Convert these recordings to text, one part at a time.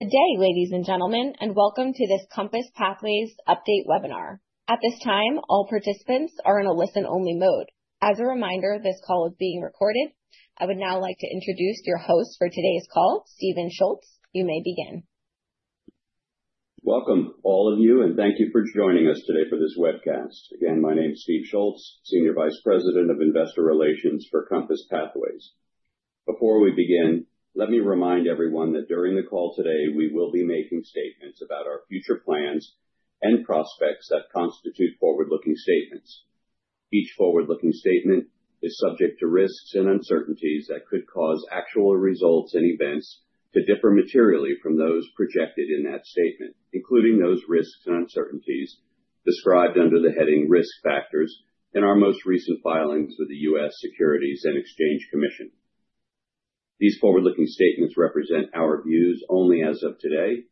Good day, ladies and gentlemen, and welcome to this Compass Pathways update webinar. At this time, all participants are in a listen-only mode. As a reminder, this call is being recorded. I would now like to introduce your host for today's call, Steve Schultz. You may begin. Welcome, all of you, and thank you for joining us today for this webcast. Again, my name is Steve Schultz, Senior Vice President of Investor Relations for Compass Pathways. Before we begin, let me remind everyone that during the call today, we will be making statements about our future plans and prospects that constitute forward-looking statements. Each forward-looking statement is subject to risks and uncertainties that could cause actual results and events to differ materially from those projected in that statement, including those risks and uncertainties described under the heading Risk Factors in our most recent filings with the U.S. Securities and Exchange Commission. These forward-looking statements represent our views only as of today,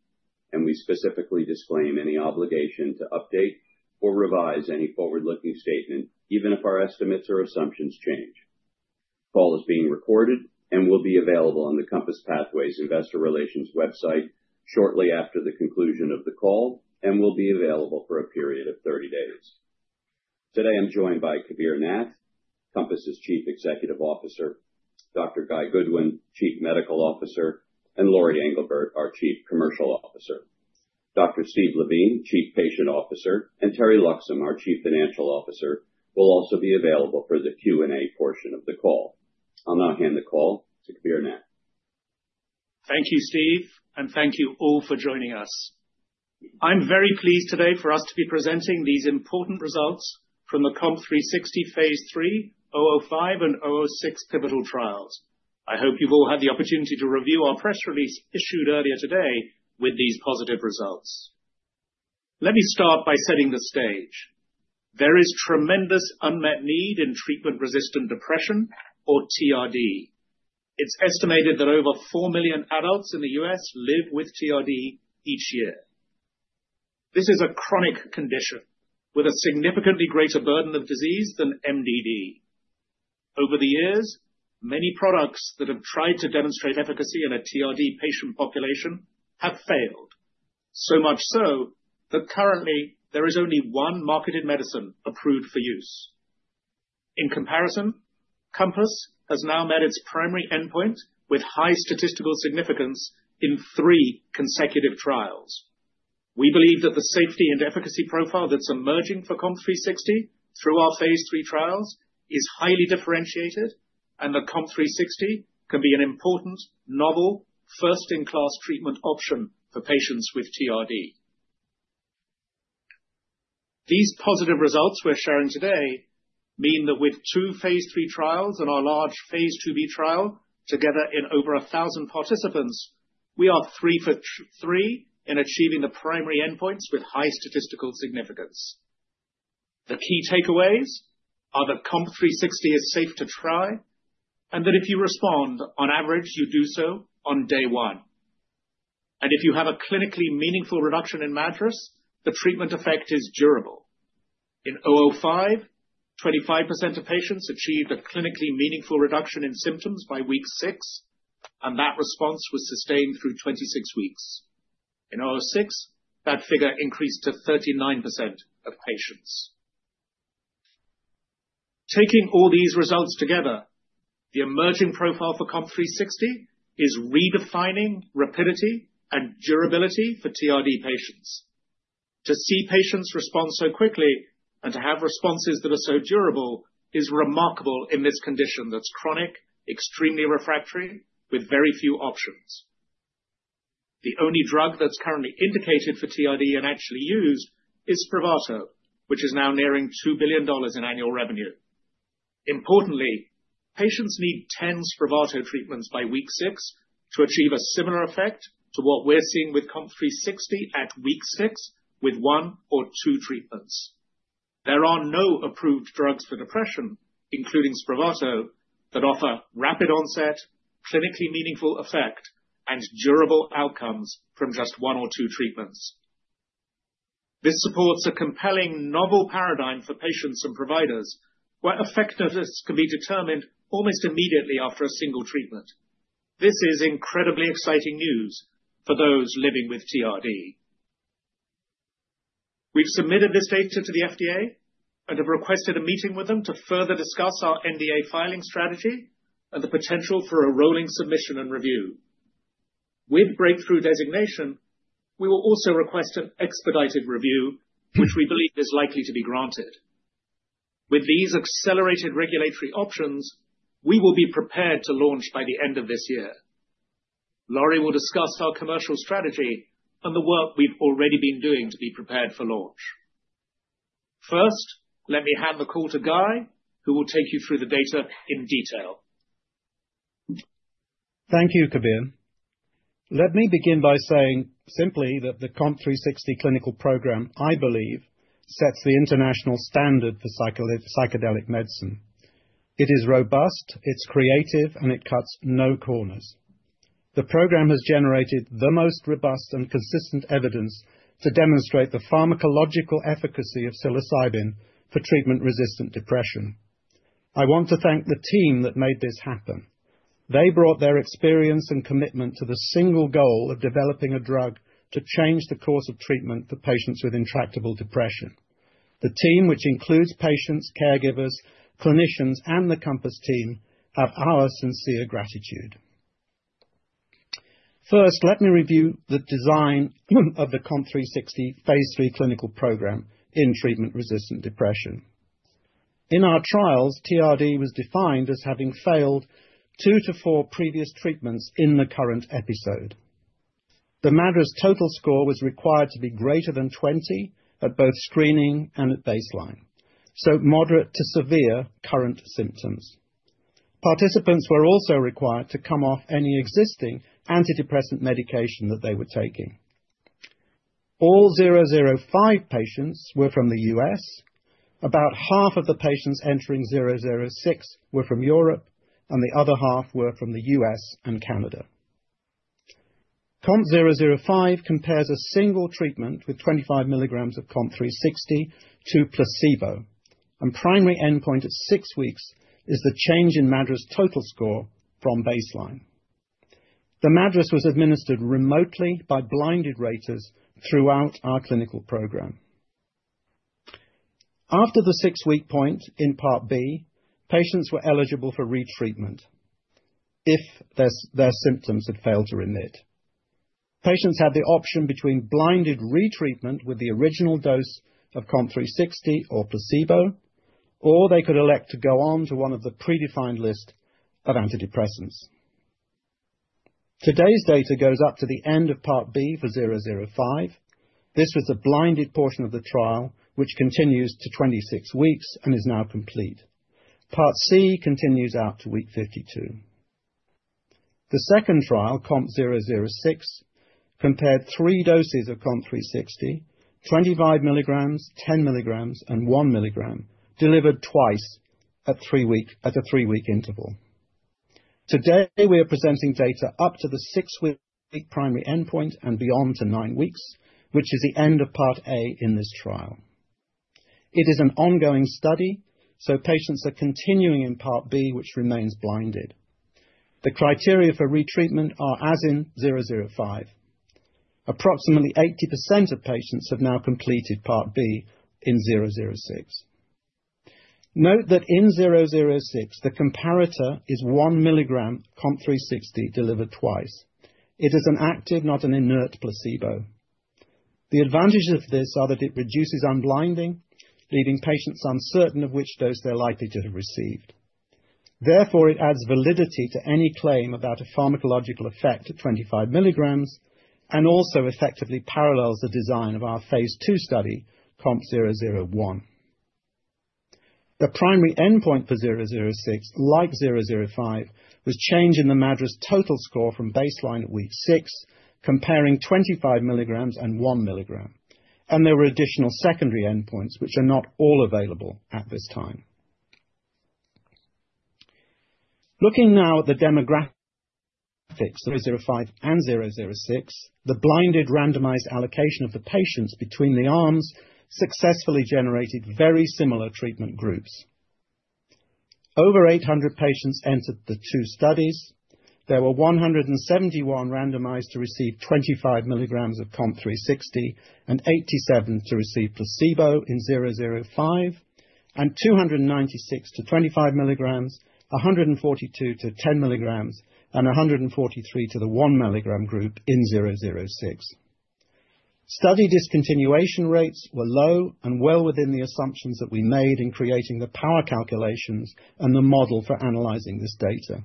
and we specifically disclaim any obligation to update or revise any forward-looking statement, even if our estimates or assumptions change. The call is being recorded and will be available on the Compass Pathways Investor Relations website shortly after the conclusion of the call and will be available for a period of 30 days. Today, I'm joined by Kabir Nath, Compass's Chief Executive Officer, Dr. Guy Goodwin, Chief Medical Officer, and Lori Englebert, our Chief Commercial Officer. Dr. Steve Levine, Chief Patient Officer, and Teri Loxam, our Chief Financial Officer, will also be available for the Q&A portion of the call. I'll now hand the call to Kabir Nath. Thank you, Steve, and thank you all for joining us. I'm very pleased today for us to be presenting these important results from the COMP360 Phase III COMP005 and COMP006 pivotal trials. I hope you've all had the opportunity to review our press release issued earlier today with these positive results. Let me start by setting the stage. There is tremendous unmet need in treatment-resistant depression or TRD. It's estimated that over 4 million adults in the U.S. live with TRD each year. This is a chronic condition with a significantly greater burden of disease than MDD. Over the years, many products that have tried to demonstrate efficacy in a TRD patient population have failed, so much so that currently there is only one marketed medicine approved for use. In comparison, Compass has now met its primary endpoint with high statistical significance in three consecutive trials. We believe that the safety and efficacy profile that's emerging for COMP360 through our phase III trials is highly differentiated, and that COMP360 can be an important novel, first-in-class treatment option for patients with TRD. These positive results we're sharing today mean that with two phase III trials and our large phase II-B trial, together in over a thousand participants, we are three for three in achieving the primary endpoints with high statistical significance. The key takeaways are that COMP360 is safe to try, and that if you respond, on average, you do so on day one. And if you have a clinically meaningful reduction in MADRS, the treatment effect is durable. In COMP005, 25% of patients achieved a clinically meaningful reduction in symptoms by week six, and that response was sustained through 26 weeks. In COMP006, that figure increased to 39% of patients. Taking all these results together, the emerging profile for COMP360 is redefining rapidity and durability for TRD patients. To see patients respond so quickly and to have responses that are so durable is remarkable in this condition that's chronic, extremely refractory, with very few options. The only drug that's currently indicated for TRD and actually used is Spravato, which is now nearing $2 billion in annual revenue. Importantly, patients need 10 Spravato treatments by week six to achieve a similar effect to what we're seeing with COMP360 at week six, with one or two treatments. There are no approved drugs for depression, including Spravato, that offer rapid onset, clinically meaningful effect, and durable outcomes from just one or two treatments. This supports a compelling novel paradigm for patients and providers, where effectiveness can be determined almost immediately after a single treatment. This is incredibly exciting news for those living with TRD. We've submitted this data to the FDA and have requested a meeting with them to further discuss our NDA filing strategy and the potential for a rolling submission and review. With breakthrough designation, we will also request an expedited review, which we believe is likely to be granted. With these accelerated regulatory options, we will be prepared to launch by the end of this year. Lori will discuss our commercial strategy and the work we've already been doing to be prepared for launch. First, let me hand the call to Guy, who will take you through the data in detail. Thank you, Kabir. Let me begin by saying simply that the COMP360 clinical program, I believe, sets the international standard for psychedelic medicine. It is robust, it's creative, and it cuts no corners. The program has generated the most robust and consistent evidence to demonstrate the pharmacological efficacy of psilocybin for treatment-resistant depression... I want to thank the team that made this happen. They brought their experience and commitment to the single goal of developing a drug to change the course of treatment for patients with intractable depression. The team, which includes patients, caregivers, clinicians, and the Compass team, have our sincere gratitude. First, let me review the design of the COMP360 phase III clinical program in treatment-resistant depression. In our trials, TRD was defined as having failed two to four previous treatments in the current episode. The MADRS total score was required to be greater than 20 at both screening and at baseline, so moderate to severe current symptoms. Participants were also required to come off any existing antidepressant medication that they were taking. All COMP005 patients were from the U.S. About half of the patients entering COMP006 were from Europe, and the other half were from the U.S. and Canada. COMP005 compares a single treatment with 25 milligrams of COMP360 to placebo, and primary endpoint at six weeks is the change in MADRS total score from baseline. The MADRS was administered remotely by blinded raters throughout our clinical program. After the six-week point in Part B, patients were eligible for retreatment if their symptoms had failed to remit. Patients had the option between blinded retreatment with the original dose of COMP360 or placebo, or they could elect to go on to one of the predefined list of antidepressants. Today's data goes up to the end of Part B for COMP005. This was the blinded portion of the trial, which continues to 26 weeks and is now complete. Part C continues out to week 52. The second trial, COMP006, compared three doses of COMP360, 25 milligrams, 10 milligrams, and 1 milligram, delivered twice at a three-week interval. Today, we are presenting data up to the six-week primary endpoint and beyond to nine weeks, which is the end of Part A in this trial. It is an ongoing study, so patients are continuing in Part B, which remains blinded. The criteria for retreatment are as in COMP005. Approximately 80% of patients have now completed Part B in COMP006. Note that in COMP006, the comparator is 1 milligram COMP360 delivered twice. It is an active, not an inert, placebo. The advantages of this are that it reduces unblinding, leaving patients uncertain of which dose they're likely to have received. Therefore, it adds validity to any claim about a pharmacological effect at 25 milligrams, and also effectively parallels the design of our Phase II study, COMP001. The primary endpoint for COMP006, like COMP005, was change in the MADRS total score from baseline at week six, comparing 25 milligrams and 1 milligram, and there were additional secondary endpoints, which are not all available at this time. Looking now at the demographics of COMP005 and COMP006, the blinded randomized allocation of the patients between the arms successfully generated very similar treatment groups. Over 800 patients entered the two studies. There were 171 randomized to receive 25 milligrams of COMP360, and 87 to receive placebo in COMP005, and 296 to 25 milligrams, 142 to 10 milligrams, and 143 to the 1 milligram group in COMP006. Study discontinuation rates were low and well within the assumptions that we made in creating the power calculations and the model for analyzing this data.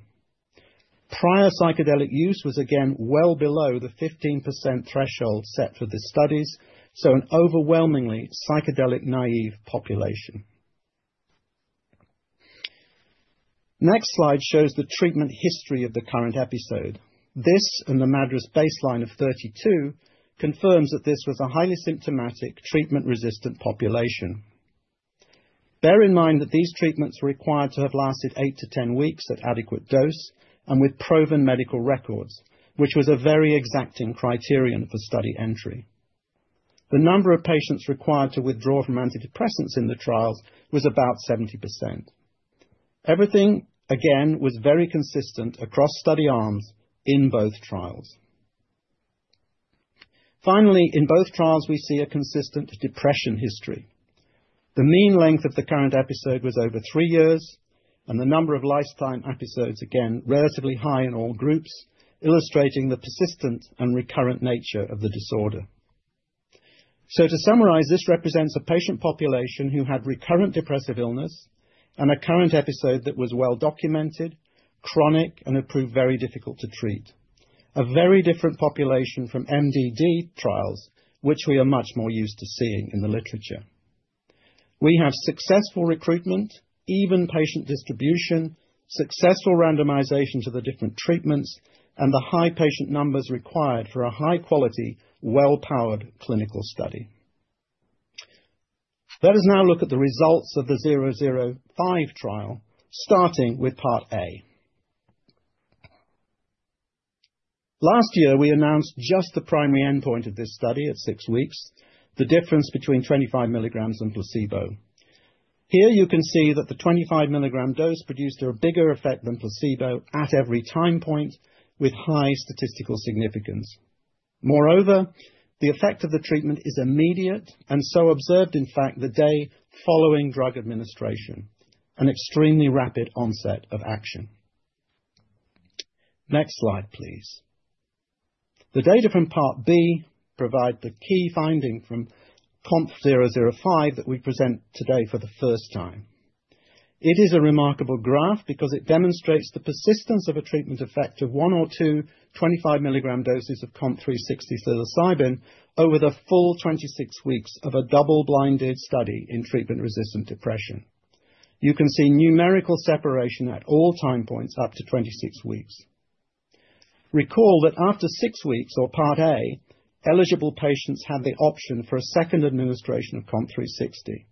Prior psychedelic use was again well below the 15% threshold set for the studies, so an overwhelmingly psychedelic-naive population. Next slide shows the treatment history of the current episode. This and the MADRS baseline of 32 confirms that this was a highly symptomatic, treatment-resistant population. Bear in mind that these treatments were required to have lasted eight-10 weeks at adequate dose and with proven medical records, which was a very exacting criterion for study entry. The number of patients required to withdraw from antidepressants in the trials was about 70%. Everything, again, was very consistent across study arms in both trials. Finally, in both trials, we see a consistent depression history. The mean length of the current episode was over three years, and the number of lifetime episodes, again, relatively high in all groups, illustrating the persistent and recurrent nature of the disorder. To summarize, this represents a patient population who had recurrent depressive illness and a current episode that was well documented, chronic, and had proved very difficult to treat. A very different population from MDD trials, which we are much more used to seeing in the literature. We have successful recruitment, even patient distribution, successful randomization to the different treatments, and the high patient numbers required for a high-quality, well-powered clinical study. Let us now look at the results of the 005 trial, starting with Part A. Last year, we announced just the primary endpoint of this study at six weeks, the difference between 25 milligrams and placebo. Here, you can see that the 25 milligram dose produced a bigger effect than placebo at every time point with high statistical significance. Moreover, the effect of the treatment is immediate and so observed, in fact, the day following drug administration, an extremely rapid onset of action. Next slide, please. The data from Part B provide the key finding from COMP005 that we present today for the first time. It is a remarkable graph because it demonstrates the persistence of a treatment effect of one or two 25 milligram doses of COMP360 psilocybin over the full 26 weeks of a double-blinded study in treatment-resistant depression. You can see numerical separation at all time points up to 26 weeks. Recall that after six weeks or Part A, eligible patients had the option for a second administration of COMP360.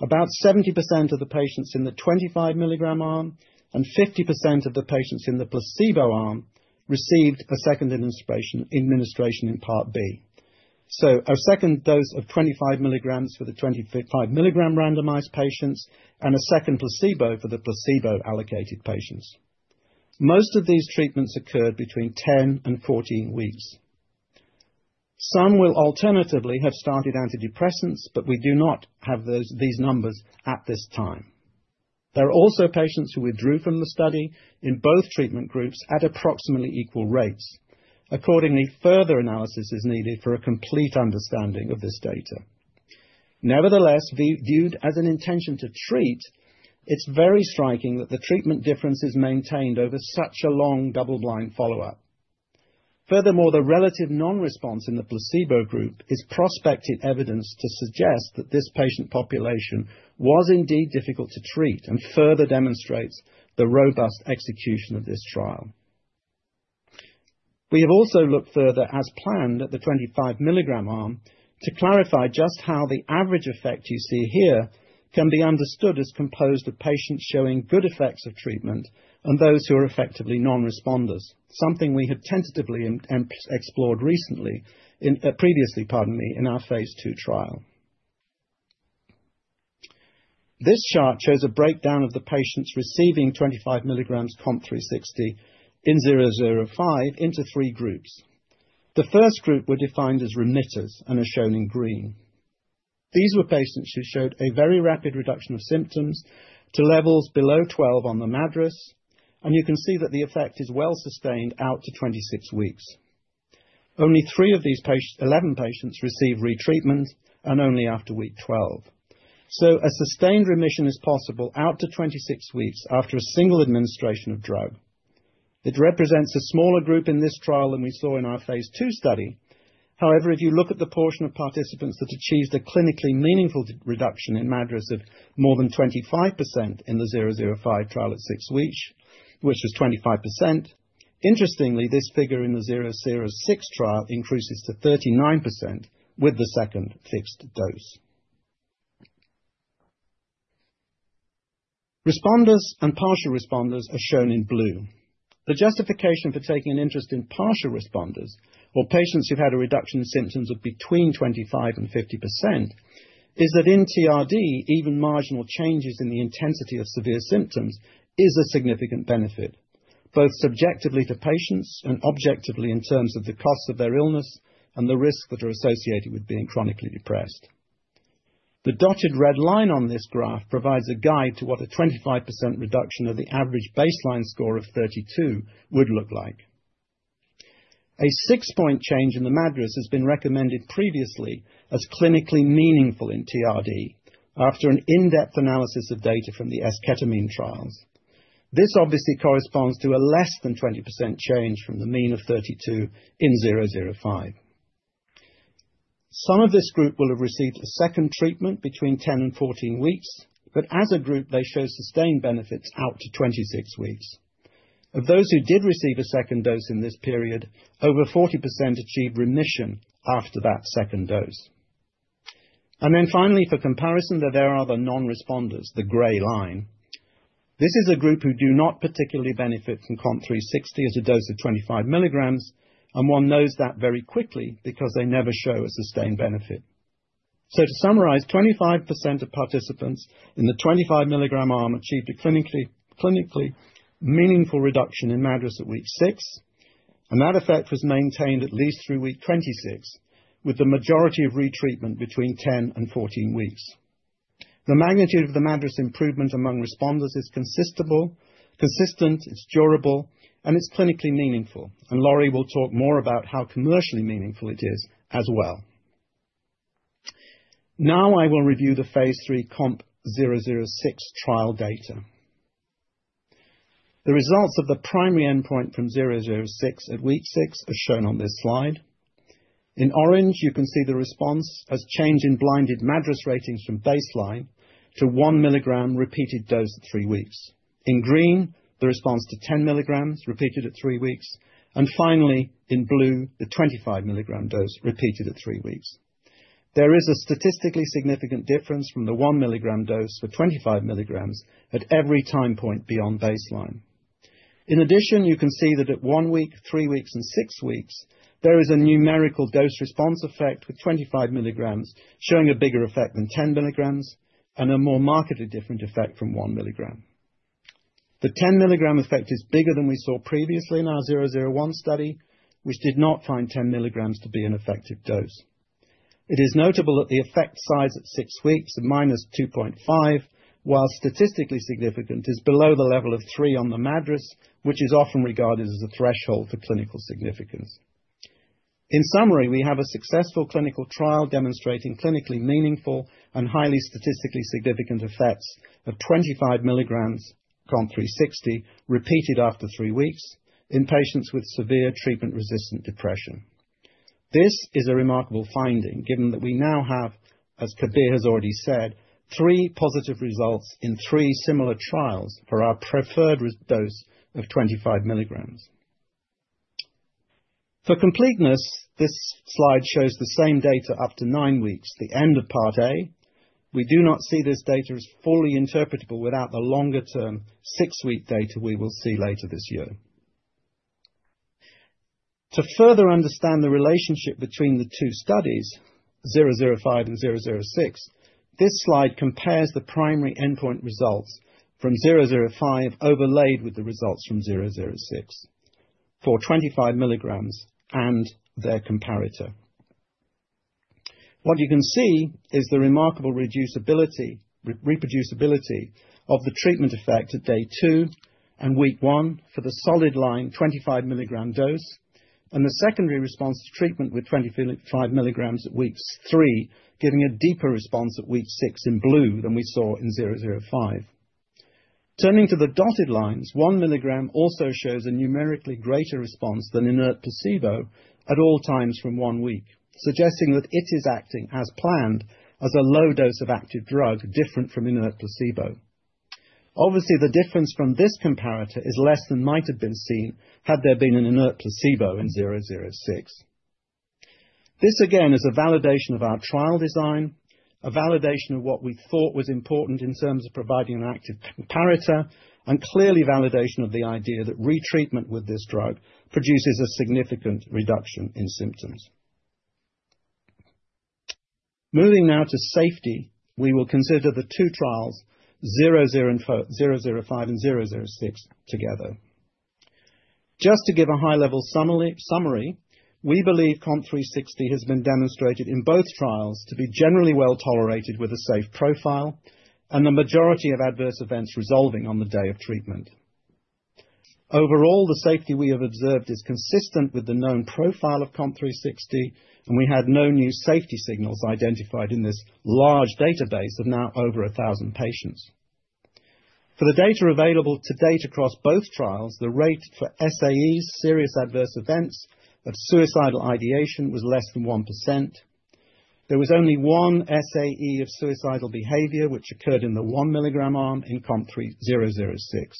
About 70% of the patients in the 25 milligram arm and 50% of the patients in the placebo arm received a second administration, administration in Part B. So a second dose of 25 milligrams for the 25 milligram randomized patients and a second placebo for the placebo-allocated patients. Most of these treatments occurred between 10 and 14 weeks. Some will alternatively have started antidepressants, but we do not have those, these numbers at this time. There are also patients who withdrew from the study in both treatment groups at approximately equal rates. Accordingly, further analysis is needed for a complete understanding of this data. Nevertheless, viewed as an intention to treat, it's very striking that the treatment difference is maintained over such a long double-blind follow-up. Furthermore, the relative non-response in the placebo group is prospective evidence to suggest that this patient population was indeed difficult to treat and further demonstrates the robust execution of this trial. We have also looked further, as planned, at the 25 milligram arm, to clarify just how the average effect you see here can be understood as composed of patients showing good effects of treatment and those who are effectively non-responders, something we had tentatively explored recently in... Previously, pardon me, in our phase II trial. This chart shows a breakdown of the patients receiving 25 milligrams COMP360 in COMP005 into three groups. The first group were defined as remitters and are shown in green. These were patients who showed a very rapid reduction of symptoms to levels below 12 on the MADRS, and you can see that the effect is well sustained out to 26 weeks. Only three of these patients, eleven patients received retreatment and only after week 12. So a sustained remission is possible out to 26 weeks after a single administration of drug. It represents a smaller group in this trial than we saw in our phase II study. However, if you look at the portion of participants that achieved a clinically meaningful reduction in MADRS of more than 25% in the 005 trial at six weeks, which is 25%, interestingly, this figure in the 006 trial increases to 39% with the second fixed dose. Responders and partial responders are shown in blue. The justification for taking an interest in partial responders or patients who've had a reduction in symptoms of between 25% and 50%, is that in TRD, even marginal changes in the intensity of severe symptoms is a significant benefit, both subjectively to patients and objectively in terms of the costs of their illness and the risks that are associated with being chronically depressed. The dotted red line on this graph provides a guide to what a 25% reduction of the average baseline score of 32 would look like. A 6-point change in the MADRS has been recommended previously as clinically meaningful in TRD after an in-depth analysis of data from the esketamine trials. This obviously corresponds to a less than 20% change from the mean of 32 in 005. Some of this group will have received a second treatment between 10 and 14 weeks, but as a group, they show sustained benefits out to 26 weeks. Of those who did receive a second dose in this period, over 40% achieved remission after that second dose. And then finally, for comparison, there are the non-responders, the gray line. This is a group who do not particularly benefit from COMP360 at a dose of 25 milligrams, and one knows that very quickly because they never show a sustained benefit. To summarize, 25% of participants in the 25 milligram arm achieved a clinically meaningful reduction in MADRS at week 6, and that effect was maintained at least through week 26, with the majority of retreatment between 10 and 14 weeks. The magnitude of the MADRS improvement among responders is consistent, it's durable, and it's clinically meaningful, and Lori will talk more about how commercially meaningful it is as well. Now, I will review the phase III COMP006 trial data. The results of the primary endpoint from 006 at week six are shown on this slide. In orange, you can see the response as change in blinded MADRS ratings from baseline to 1 milligram repeated dose at three weeks. In green, the response to 10 milligrams repeated at three weeks. And finally, in blue, the 25 milligram dose repeated at three weeks. There is a statistically significant difference from the 1 milligram dose for 25 milligrams at every time point beyond baseline. In addition, you can see that at one week, three weeks and six weeks, there is a numerical dose response effect, with 25 milligrams showing a bigger effect than 10 milligrams and a more markedly different effect from 1 milligram. The 10 milligram effect is bigger than we saw previously in our 001 study, which did not find 10 milligrams to be an effective dose. It is notable that the effect size at six weeks of -2.5, while statistically significant, is below the level of three on the MADRS, which is often regarded as a threshold for clinical significance. In summary, we have a successful clinical trial demonstrating clinically meaningful and highly statistically significant effects of 25 milligrams COMP360, repeated after three weeks in patients with severe treatment-resistant depression. This is a remarkable finding, given that we now have, as Kabir has already said, three positive results in three similar trials for our preferred dose of 25 milligrams. For completeness, this slide shows the same data up to nine weeks, the end of part A. We do not see this data as fully interpretable without the longer-term six-week data we will see later this year. To further understand the relationship between the two studies, COMP005 and COMP006, this slide compares the primary endpoint results from COMP005, overlaid with the results from COMP006 for 25 milligrams and their comparator. What you can see is the remarkable reproducibility of the treatment effect at day two and week one for the solid line, 25 milligram dose, and the secondary response to treatment with 25 milligrams at weeks three, giving a deeper response at week six in blue than we saw in COMP005. Turning to the dotted lines, 1 milligram also shows a numerically greater response than inert placebo at all times from one week, suggesting that it is acting as planned as a low dose of active drug, different from inert placebo. Obviously, the difference from this comparator is less than might have been seen had there been an inert placebo in COMP006. This, again, is a validation of our trial design, a validation of what we thought was important in terms of providing an active comparator, and clearly validation of the idea that retreatment with this drug produces a significant reduction in symptoms. Moving now to safety, we will consider the two trials, COMP004, COMP005, and COMP006 together. Just to give a high-level summary, we believe COMP360 has been demonstrated in both trials to be generally well-tolerated with a safe profile, and the majority of adverse events resolving on the day of treatment. Overall, the safety we have observed is consistent with the known profile of COMP360, and we had no new safety signals identified in this large database of now over 1,000 patients. For the data available to date across both trials, the rate for SAEs, Serious Adverse Events, of suicidal ideation was less than 1%. There was only one SAE of suicidal behavior, which occurred in the 1 milligram arm in COMP006.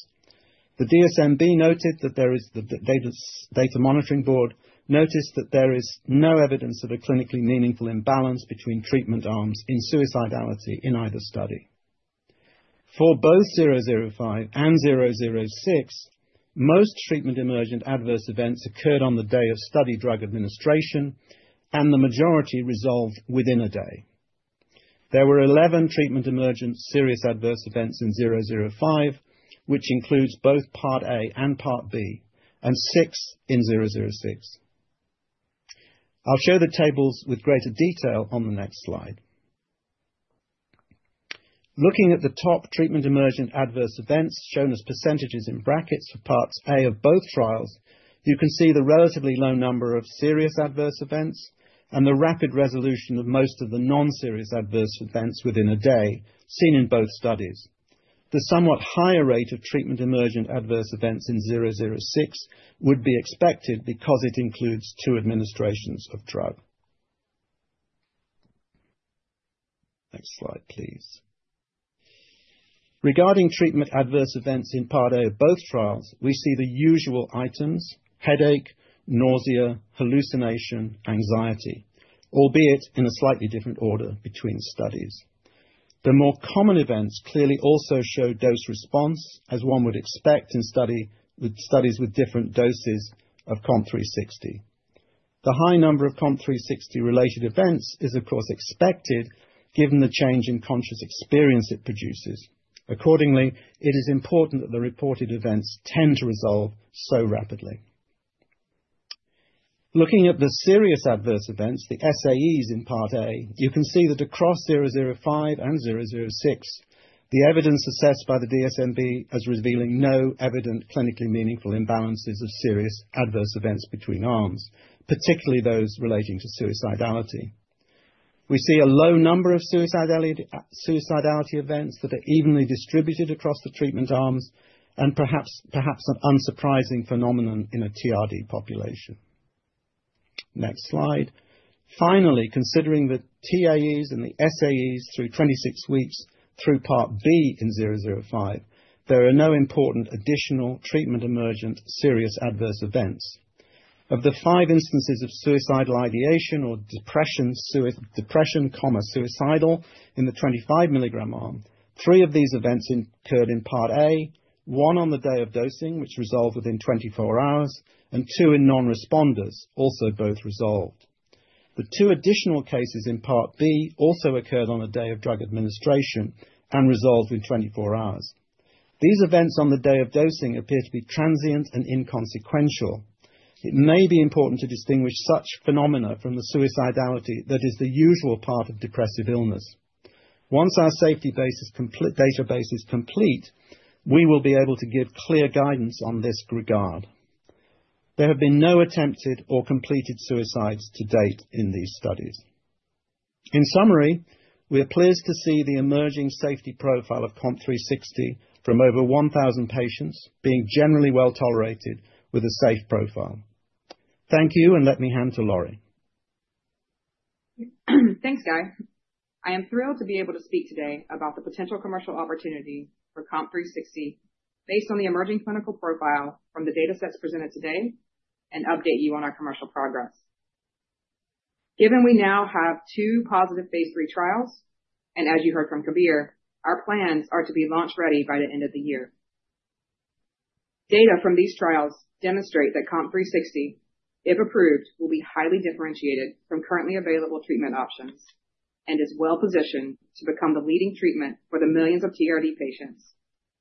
The DSMB noted that the Data Monitoring Board noticed that there is no evidence of a clinically meaningful imbalance between treatment arms in suicidality in either study. For both COMP005 and COMP006, most treatment emergent adverse events occurred on the day of study drug administration, and the majority resolved within a day. There were 11 treatment emergent serious adverse events in COMP005, which includes both Part A and Part B, and six in COMP006. I'll show the tables with greater detail on the next slide. Looking at the top treatment emergent adverse events shown as percentages in brackets for Parts A of both trials, you can see the relatively low number of serious adverse events and the rapid resolution of most of the non-serious adverse events within a day, seen in both studies. The somewhat higher rate of treatment-emergent adverse events in COMP006 would be expected, because it includes two administrations of drug. Next slide, please. Regarding treatment adverse events in Part A of both trials, we see the usual items: headache, nausea, hallucination, anxiety, albeit in a slightly different order between studies. The more common events clearly also show dose response, as one would expect in study… with studies with different doses of COMP360. The high number of COMP360 related events is, of course, expected given the change in conscious experience it produces. Accordingly, it is important that the reported events tend to resolve so rapidly. Looking at the serious adverse events, the SAEs in Part A, you can see that across COMP005 and COMP006, the evidence assessed by the DSMB as revealing no evident clinically meaningful imbalances of serious adverse events between arms, particularly those relating to suicidality. We see a low number of suicidality, suicidality events that are evenly distributed across the treatment arms and perhaps, perhaps an unsurprising phenomenon in a TRD population. Next slide. Finally, considering the TEAEs and the SAEs through 26 weeks through Part B in 005, there are no important additional treatment emergent serious adverse events. Of the five instances of suicidal ideation or depression, suicidal, in the 25 milligram arm, three of these events occurred in Part A, one on the day of dosing, which resolved within 24 hours, and two in non-responders, also both resolved. The two additional cases in Part B also occurred on the day of drug administration and resolved in 24 hours. These events on the day of dosing appear to be transient and inconsequential. It may be important to distinguish such phenomena from the suicidality that is the usual part of depressive illness. Once our safety database is complete, we will be able to give clear guidance on this regard. There have been no attempted or completed suicides to date in these studies. In summary, we are pleased to see the emerging safety profile of COMP360 from over 1,000 patients being generally well-tolerated with a safe profile. Thank you, and let me hand to Lori. Thanks, Guy. I am thrilled to be able to speak today about the potential commercial opportunity for COMP360, based on the emerging clinical profile from the data sets presented today and update you on our commercial progress. Given we now have two positive phase III trials, and as you heard from Kabir, our plans are to be launch-ready by the end of the year. Data from these trials demonstrate that COMP360, if approved, will be highly differentiated from currently available treatment options and is well positioned to become the leading treatment for the millions of TRD patients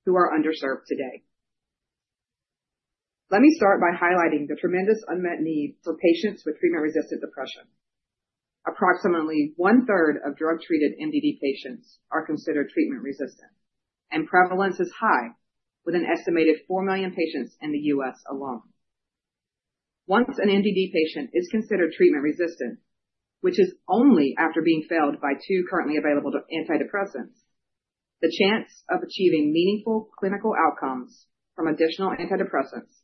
who are underserved today. Let me start by highlighting the tremendous unmet need for patients with treatment-resistant depression. Approximately one-third of drug-treated MDD patients are considered treatment-resistant, and prevalence is high with an estimated 4 million patients in the U.S. alone. Once an MDD patient is considered treatment-resistant, which is only after being failed by two currently available antidepressants, the chance of achieving meaningful clinical outcomes from additional antidepressants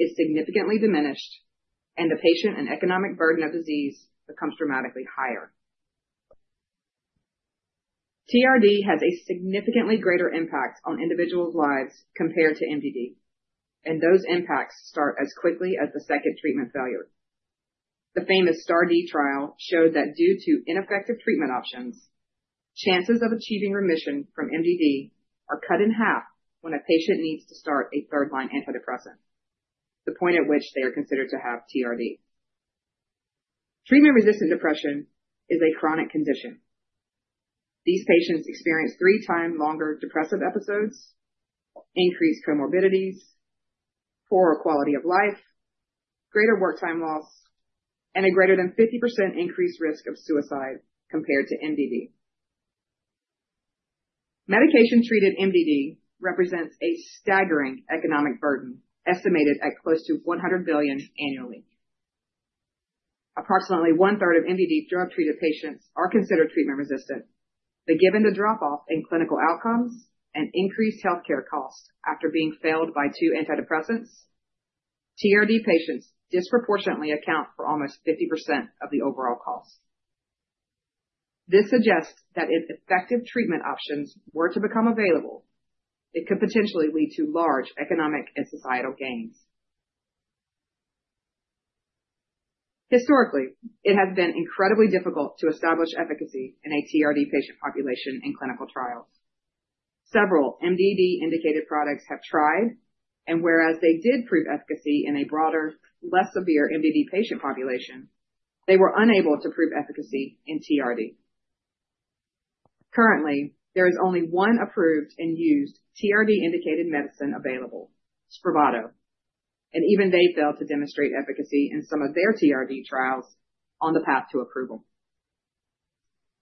is significantly diminished, and the patient and economic burden of disease becomes dramatically higher. TRD has a significantly greater impact on individuals' lives compared to MDD, and those impacts start as quickly as the second treatment failure. The famous STAR*D trial showed that due to ineffective treatment options, chances of achieving remission from MDD are cut in half when a patient needs to start a third-line antidepressant, the point at which they are considered to have TRD. Treatment-resistant depression is a chronic condition. These patients experience three times longer depressive episodes, increased comorbidities, poorer quality of life, greater work time loss, and a greater than 50% increased risk of suicide compared to MDD. Medication-treated MDD represents a staggering economic burden, estimated at close to $100 billion annually. Approximately one-third of MDD drug-treated patients are considered treatment-resistant, but given the drop-off in clinical outcomes and increased healthcare costs after being failed by two antidepressants, TRD patients disproportionately account for almost 50% of the overall costs. This suggests that if effective treatment options were to become available, it could potentially lead to large economic and societal gains. Historically, it has been incredibly difficult to establish efficacy in a TRD patient population in clinical trials. Several MDD-indicated products have tried, and whereas they did prove efficacy in a broader, less severe MDD patient population, they were unable to prove efficacy in TRD. Currently, there is only one approved and used TRD-indicated medicine available, Spravato, and even they failed to demonstrate efficacy in some of their TRD trials on the path to approval.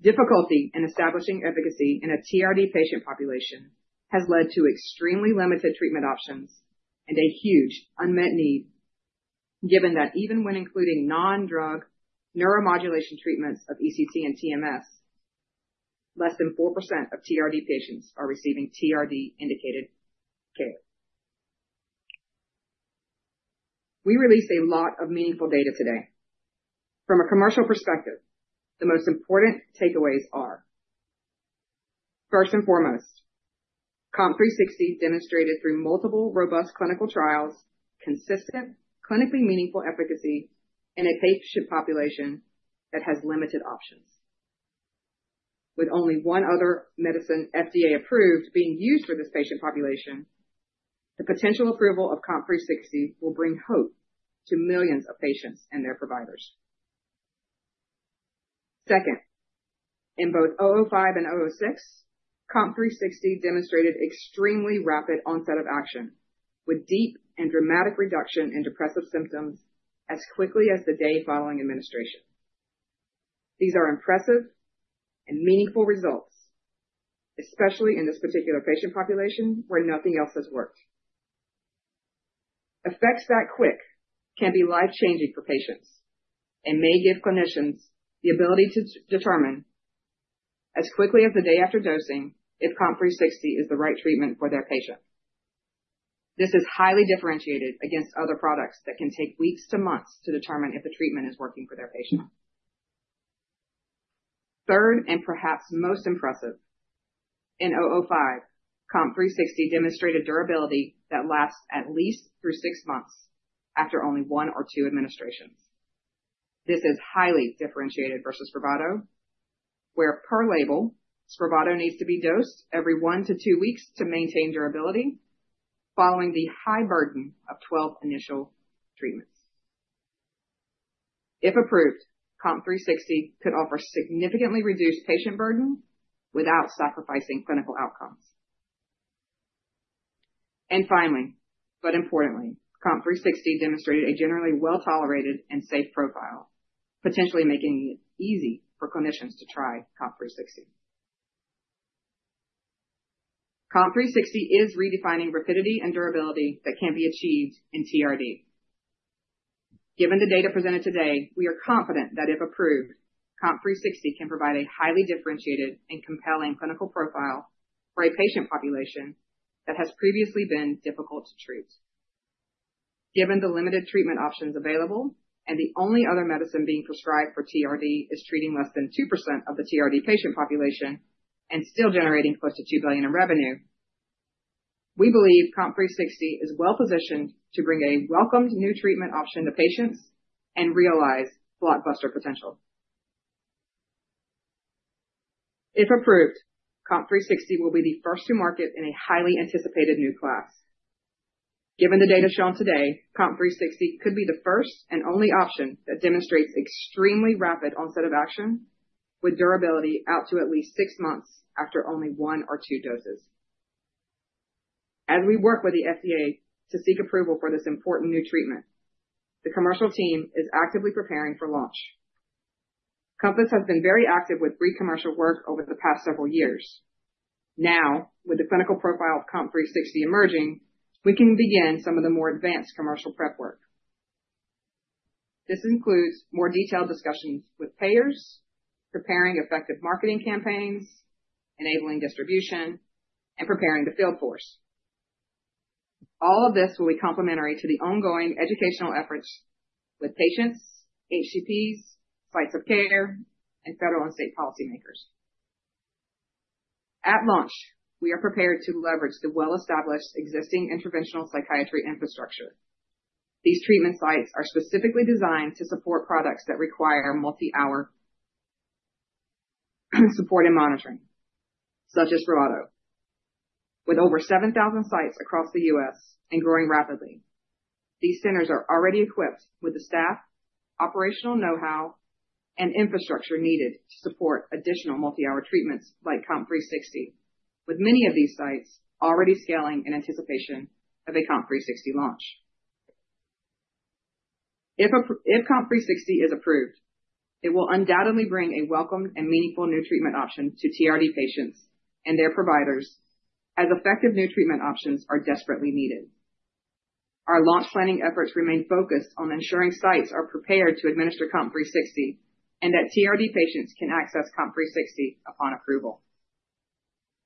Difficulty in establishing efficacy in a TRD patient population has led to extremely limited treatment options and a huge unmet need. Given that even when including non-drug neuromodulation treatments of ECT and TMS, less than 4% of TRD patients are receiving TRD-indicated care. We released a lot of meaningful data today. From a commercial perspective, the most important takeaways are: First and foremost, COMP360 demonstrated through multiple robust clinical trials, consistent, clinically meaningful efficacy in a patient population that has limited options. With only one other medicine, FDA approved, being used for this patient population, the potential approval of COMP360 will bring hope to millions of patients and their providers. Second, in both COMP005 and COMP006, COMP360 demonstrated extremely rapid onset of action, with deep and dramatic reduction in depressive symptoms as quickly as the day following administration. These are impressive and meaningful results, especially in this particular patient population where nothing else has worked. Effects that quick can be life-changing for patients and may give clinicians the ability to determine as quickly as the day after dosing if COMP360 is the right treatment for their patient. This is highly differentiated against other products that can take weeks to months to determine if a treatment is working for their patient. Third, and perhaps most impressive, in COMP005, COMP360 demonstrated durability that lasts at least through six months after only one or two administrations. This is highly differentiated versus Spravato, where per label, Spravato needs to be dosed every one to two weeks to maintain durability, following the high burden of 12 initial treatments. If approved, COMP360 could offer significantly reduced patient burden without sacrificing clinical outcomes. Finally, but importantly, COMP360 demonstrated a generally well-tolerated and safe profile, potentially making it easy for clinicians to try COMP360. COMP360 is redefining rapidity and durability that can be achieved in TRD. Given the data presented today, we are confident that if approved, COMP360 can provide a highly differentiated and compelling clinical profile for a patient population that has previously been difficult to treat. Given the limited treatment options available and the only other medicine being prescribed for TRD is treating less than 2% of the TRD patient population and still generating close to $2 billion in revenue, we believe COMP360 is well positioned to bring a welcomed new treatment option to patients and realize blockbuster potential. If approved, COMP360 will be the first to market in a highly anticipated new class. Given the data shown today, COMP360 could be the first and only option that demonstrates extremely rapid onset of action with durability out to at least six months after only one or two doses. As we work with the FDA to seek approval for this important new treatment, the commercial team is actively preparing for launch. Compass has been very active with pre-commercial work over the past several years. Now, with the clinical profile of COMP360 emerging, we can begin some of the more advanced commercial prep work. This includes more detailed discussions with payers, preparing effective marketing campaigns, enabling distribution, and preparing the field force. All of this will be complementary to the ongoing educational efforts with patients, HCPs, sites of care, and federal and state policymakers. At launch, we are prepared to leverage the well-established existing interventional psychiatry infrastructure. These treatment sites are specifically designed to support products that require multi-hour support and monitoring, such as Spravato. With over 7,000 sites across the U.S. and growing rapidly, these centers are already equipped with the staff, operational know-how, and infrastructure needed to support additional multi-hour treatments like COMP360, with many of these sites already scaling in anticipation of a COMP360 launch. If COMP360 is approved, it will undoubtedly bring a welcomed and meaningful new treatment option to TRD patients and their providers, as effective new treatment options are desperately needed. Our launch planning efforts remain focused on ensuring sites are prepared to administer COMP360 and that TRD patients can access COMP360 upon approval.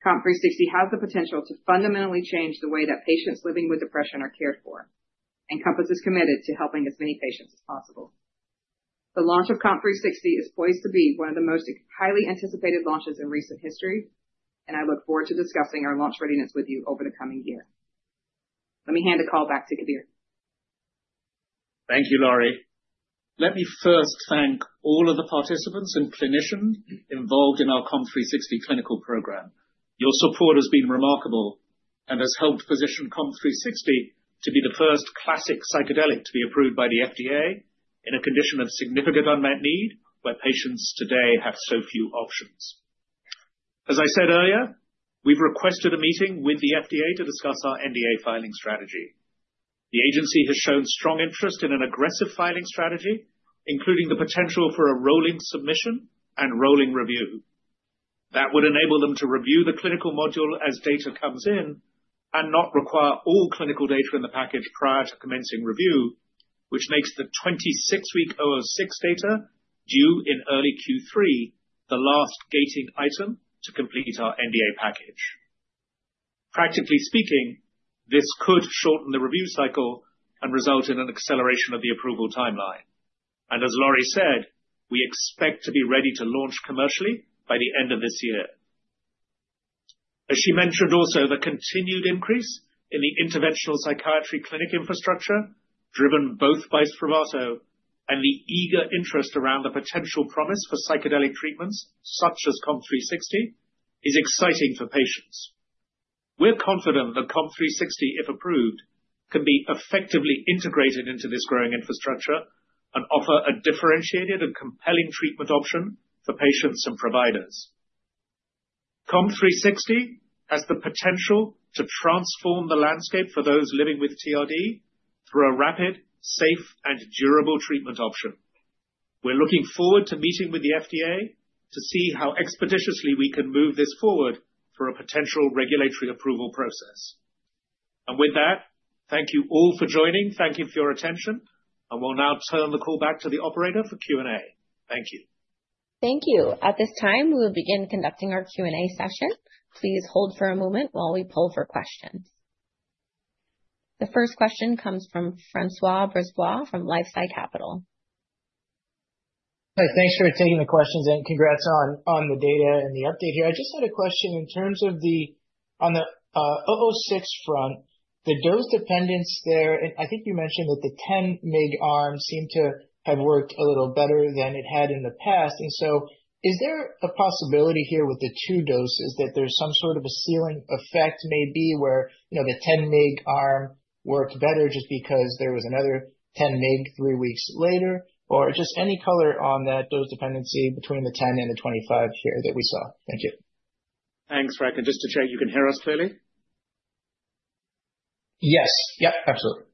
COMP360 has the potential to fundamentally change the way that patients living with depression are cared for, and Compass is committed to helping as many patients as possible. The launch of COMP360 is poised to be one of the most highly anticipated launches in recent history, and I look forward to discussing our launch readiness with you over the coming year. Let me hand the call back to Kabir. Thank you, Lori. Let me first thank all of the participants and clinicians involved in our COMP360 clinical program. Your support has been remarkable and has helped position COMP360 to be the first classic psychedelic to be approved by the FDA in a condition of significant unmet need, where patients today have so few options. As I said earlier, we've requested a meeting with the FDA to discuss our NDA filing strategy. The agency has shown strong interest in an aggressive filing strategy, including the potential for a rolling submission and rolling review. That would enable them to review the clinical module as data comes in and not require all clinical data in the package prior to commencing review, which makes the 26-week COMP006 data, due in early Q3, the last gating item to complete our NDA package. Practically speaking, this could shorten the review cycle and result in an acceleration of the approval timeline. As Lori said, we expect to be ready to launch commercially by the end of this year. As she mentioned also, the continued increase in the interventional psychiatry clinic infrastructure, driven both by Spravato and the eager interest around the potential promise for psychedelic treatments, such as COMP360, is exciting for patients. We're confident that COMP360, if approved, can be effectively integrated into this growing infrastructure and offer a differentiated and compelling treatment option for patients and providers. COMP360 has the potential to transform the landscape for those living with TRD through a rapid, safe, and durable treatment option. We're looking forward to meeting with the FDA to see how expeditiously we can move this forward for a potential regulatory approval process. With that, thank you all for joining. Thank you for your attention, and we'll now turn the call back to the operator for Q&A. Thank you. Thank you. At this time, we will begin conducting our Q&A session. Please hold for a moment while we pull for questions.... The first question comes from Francois Brisebois from LifeSci Capital. Hi, thanks for taking the questions, and congrats on the data and the update here. I just had a question in terms of the 006 front, the dose dependence there. And I think you mentioned that the 10 mg arm seemed to have worked a little better than it had in the past. And so is there a possibility here with the two doses that there's some sort of a ceiling effect, maybe, where, you know, the 10 mg arm worked better just because there was another 10 mg three weeks later? Or just any color on that dose dependency between the 10 and the 25 here that we saw? Thank you. Thanks, Frank. Just to check, you can hear us clearly? Yes. Yep, absolutely.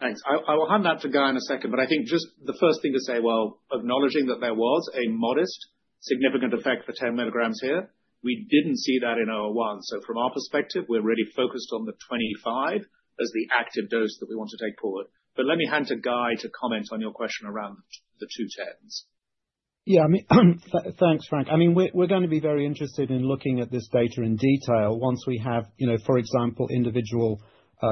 Thanks. I will hand that to Guy in a second, but I think just the first thing to say, while acknowledging that there was a modest significant effect for 10 milligrams here, we didn't see that in Phase 1. So from our perspective, we're really focused on the 25 as the active dose that we want to take forward. But let me hand to Guy to comment on your question around the two 10s. Yeah, I mean, thanks, Frank. I mean, we're, we're gonna be very interested in looking at this data in detail once we have, you know, for example, individual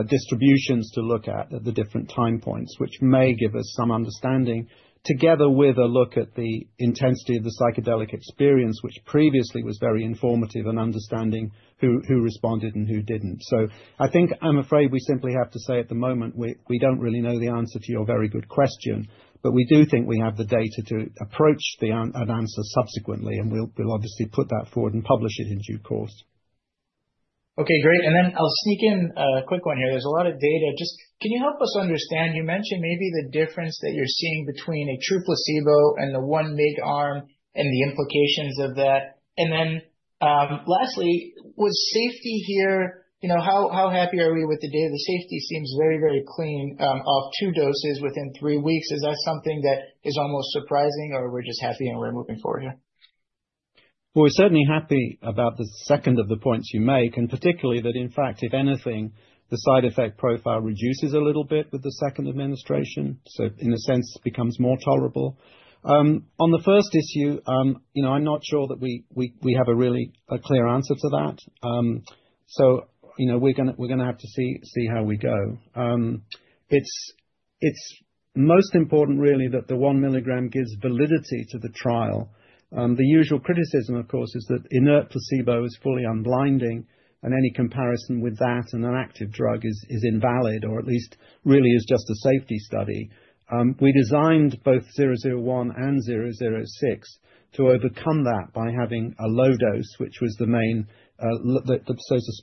distributions to look at, at the different time points. Which may give us some understanding together with a look at the intensity of the psychedelic experience, which previously was very informative in understanding who, who responded and who didn't. So I think I'm afraid we simply have to say at the moment, we, we don't really know the answer to your very good question, but we do think we have the data to approach an answer subsequently, and we'll, we'll obviously put that forward and publish it in due course. Okay, great. Then I'll sneak in a quick one here. There's a lot of data. Just, can you help us understand, you mentioned maybe the difference that you're seeing between a true placebo and the 1 mg arm and the implications of that. And then, lastly, with safety here, you know, how, how happy are we with the data? The safety seems very, very clean, of two doses within weeks. Is that something that is almost surprising, or we're just happy and we're moving forward here? Well, we're certainly happy about the second of the points you make, and particularly that, in fact, if anything, the side effect profile reduces a little bit with the second administration, so in a sense, becomes more tolerable. On the first issue, you know, I'm not sure that we have a really clear answer to that. So, you know, we're gonna have to see how we go. It's most important really that the one milligram gives validity to the trial. The usual criticism, of course, is that inert placebo is fully unblinding, and any comparison with that and an active drug is invalid, or at least really is just a safety study. We designed both 001 and 006 to overcome that by having a low dose, which was the main, the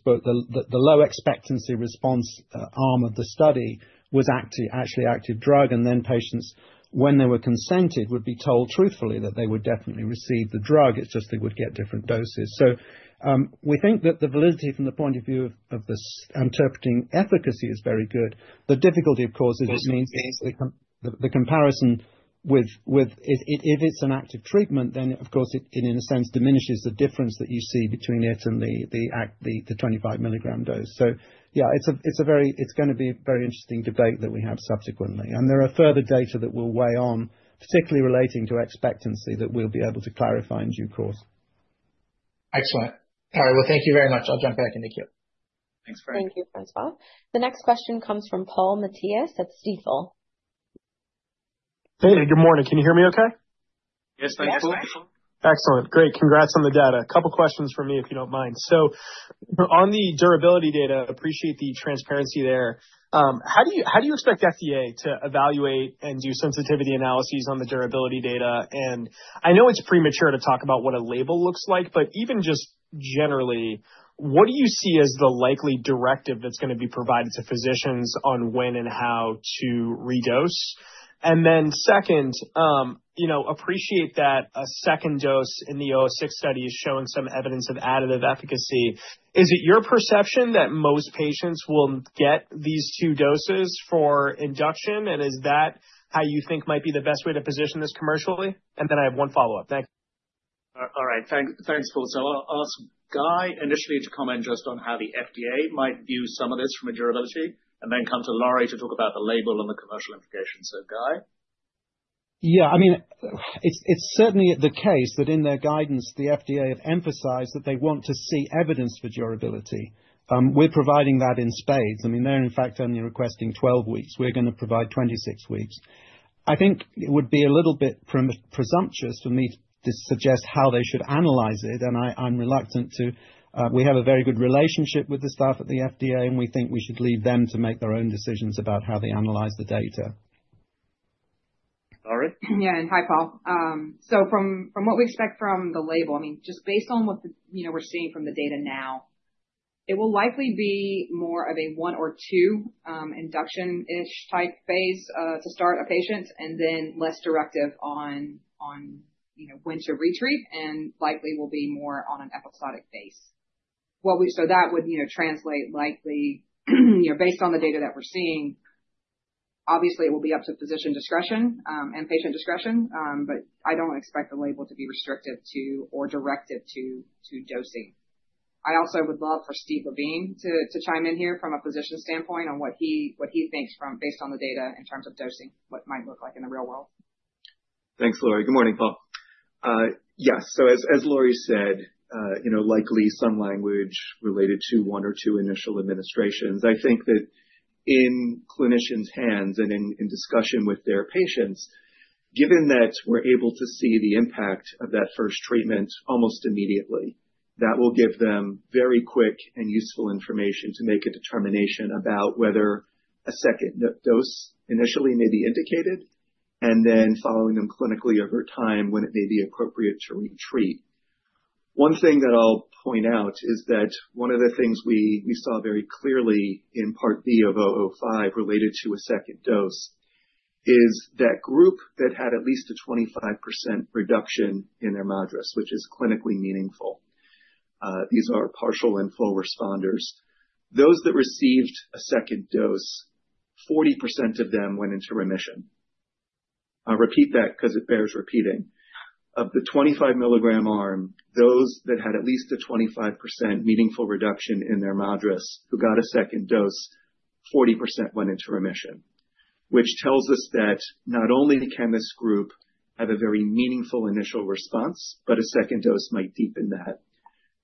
so-called low expectancy response arm of the study was actually active drug. And then patients, when they were consented, would be told truthfully that they would definitely receive the drug. It's just they would get different doses. So, we think that the validity from the point of view of this interpreting efficacy is very good. The difficulty, of course, is this means- Easy. The comparison with, if it's an active treatment, then, of course, it in a sense diminishes the difference that you see between it and the active 25 milligram dose. So yeah, it's a very... It's gonna be a very interesting debate that we have subsequently. And there are further data that we'll weigh on, particularly relating to expectancy, that we'll be able to clarify in due course. Excellent. All right. Well, thank you very much. I'll jump back in the queue. Thanks, Frank. Thank you, Francois. The next question comes from Paul Matteis at Stifel. Hey, good morning. Can you hear me okay? Yes, thanks, Paul. Yes. Excellent. Great. Congrats on the data. A couple questions from me, if you don't mind. So on the durability data, appreciate the transparency there. How do you, how do you expect FDA to evaluate and do sensitivity analyses on the durability data? And I know it's premature to talk about what a label looks like, but even just generally, what do you see as the likely directive that's gonna be provided to physicians on when and how to redose? And then second, you know, appreciate that a second dose in the 006 study is showing some evidence of additive efficacy. Is it your perception that most patients will get these two doses for induction, and is that how you think might be the best way to position this commercially? And then I have one follow-up. Thanks. All right. Thanks, Paul. So I'll ask Guy initially to comment just on how the FDA might view some of this from a durability, and then come to Lori to talk about the label and the commercial implications. So, Guy? Yeah, I mean, it's certainly the case that in their guidance, the FDA have emphasized that they want to see evidence for durability. We're providing that in spades. I mean, they're, in fact, only requesting 12 weeks. We're gonna provide 26 weeks. I think it would be a little bit presumptuous for me to suggest how they should analyze it, and I, I'm reluctant to. We have a very good relationship with the staff at the FDA, and we think we should leave them to make their own decisions about how they analyze the data. Laurie? Yeah, and hi, Paul. So from what we expect from the label, I mean, just based on what, you know, we're seeing from the data now, it will likely be more of a one or two induction-ish type phase to start a patient and then less directive on, you know, when to retreat, and likely will be more on an episodic base. So that would, you know, translate likely, you know, based on the data that we're seeing, obviously it will be up to physician discretion and patient discretion. But I don't expect the label to be restrictive to, or directive to dosing. I also would love for Steve Levine to chime in here from a physician standpoint on what he thinks based on the data in terms of dosing, what it might look like in the real world.... Thanks, Lori. Good morning, Paul. Yes. So as Lori said, you know, likely some language related to one or two initial administrations. I think that in clinicians' hands and in discussion with their patients, given that we're able to see the impact of that first treatment almost immediately, that will give them very quick and useful information to make a determination about whether a second dose initially may be indicated, and then following them clinically over time when it may be appropriate to retreat. One thing that I'll point out is that one of the things we saw very clearly in part B of 005 related to a second dose, is that group that had at least a 25% reduction in their MADRS, which is clinically meaningful. These are partial and full responders. Those that received a second dose, 40% of them went into remission. I'll repeat that because it bears repeating. Of the 25 milligram arm, those that had at least a 25% meaningful reduction in their MADRS, who got a second dose, 40% went into remission, which tells us that not only can this group have a very meaningful initial response, but a second dose might deepen that.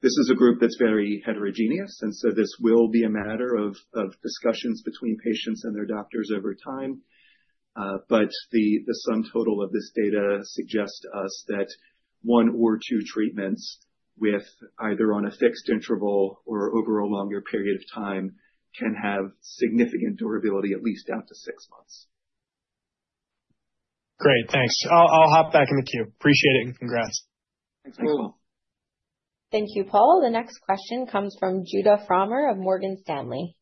This is a group that's very heterogeneous, and so this will be a matter of discussions between patients and their doctors over time. But the sum total of this data suggests to us that one or two treatments with either on a fixed interval or over a longer period of time can have significant durability, at least out to six months. Great, thanks. I'll hop back in the queue. Appreciate it, and congrats. Thanks, Paul. Thank you, Paul. The next question comes from Judah Frommer of Morgan Stanley.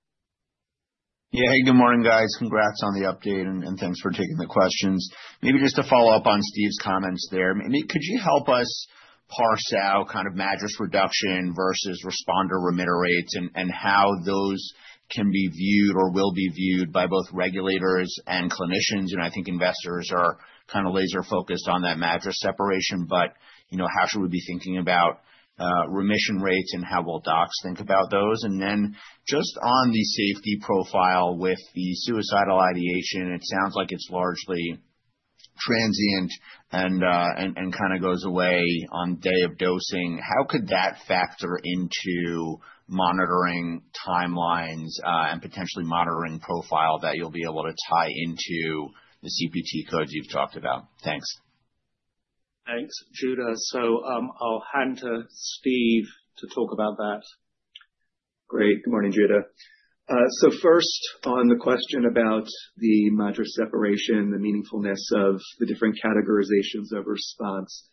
Yeah. Hey, good morning, guys. Congrats on the update, and thanks for taking the questions. Maybe just to follow up on Steve's comments there, maybe could you help us parse out kind of MADRS reduction versus responder remitter rates and how those can be viewed or will be viewed by both regulators and clinicians? And I think investors are kind of laser focused on that MADRS separation, but, you know, how should we be thinking about remission rates, and how will docs think about those? And then just on the safety profile with the suicidal ideation, it sounds like it's largely transient and kind of goes away on day of dosing. How could that factor into monitoring timelines and potentially monitoring profile that you'll be able to tie into the CPT codes you've talked about? Thanks. Thanks, Judah. So, I'll hand to Steve to talk about that. Great. Good morning, Judah. So first on the question about the MADRS separation, the meaningfulness of the different categorizations of response.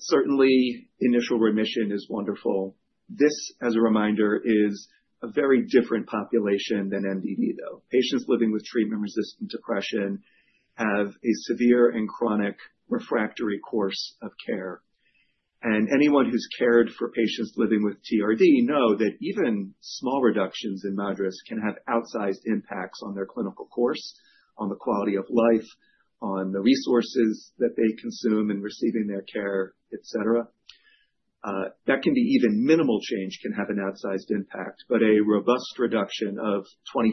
Certainly initial remission is wonderful. This, as a reminder, is a very different population than MDD, though. Patients living with treatment-resistant depression have a severe and chronic refractory course of care, and anyone who's cared for patients living with TRD know that even small reductions in MADRS can have outsized impacts on their clinical course, on the quality of life, on the resources that they consume in receiving their care, et cetera. Even minimal change can have an outsized impact, but a robust reduction of 25%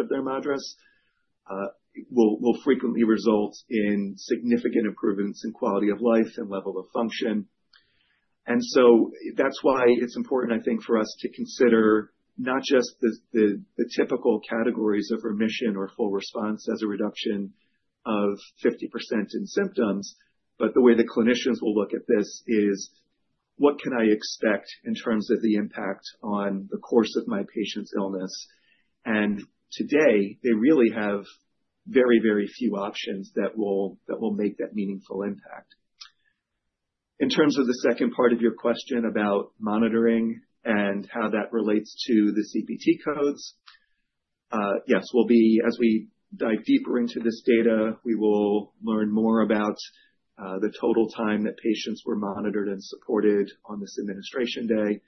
of their MADRS will frequently result in significant improvements in quality of life and level of function. And so that's why it's important, I think, for us to consider not just the typical categories of remission or full response as a reduction of 50% in symptoms, but the way the clinicians will look at this is: What can I expect in terms of the impact on the course of my patient's illness? And today, they really have very, very few options that will make that meaningful impact. In terms of the second part of your question about monitoring and how that relates to the CPT codes. Yes, we'll be as we dive deeper into this data, we will learn more about the total time that patients were monitored and supported on this administration day.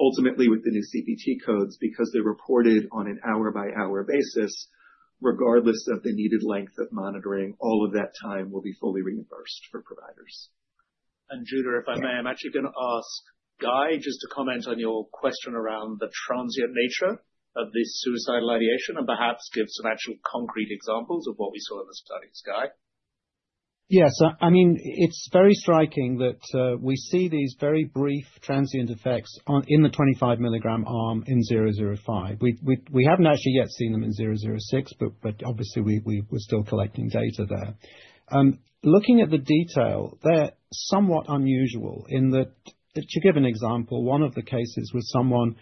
Ultimately, with the new CPT codes, because they're reported on an hour-by-hour basis, regardless of the needed length of monitoring, all of that time will be fully reimbursed for providers. Judah, if I may, I'm actually going to ask Guy just to comment on your question around the transient nature of this suicidal ideation, and perhaps give some actual concrete examples of what we saw in the studies. Guy? Yes. I mean, it's very striking that we see these very brief transient effects on in the 25 milligram arm in 005. We haven't actually yet seen them in 006, but obviously we're still collecting data there. Looking at the detail, they're somewhat unusual in that. To give an example, one of the cases was someone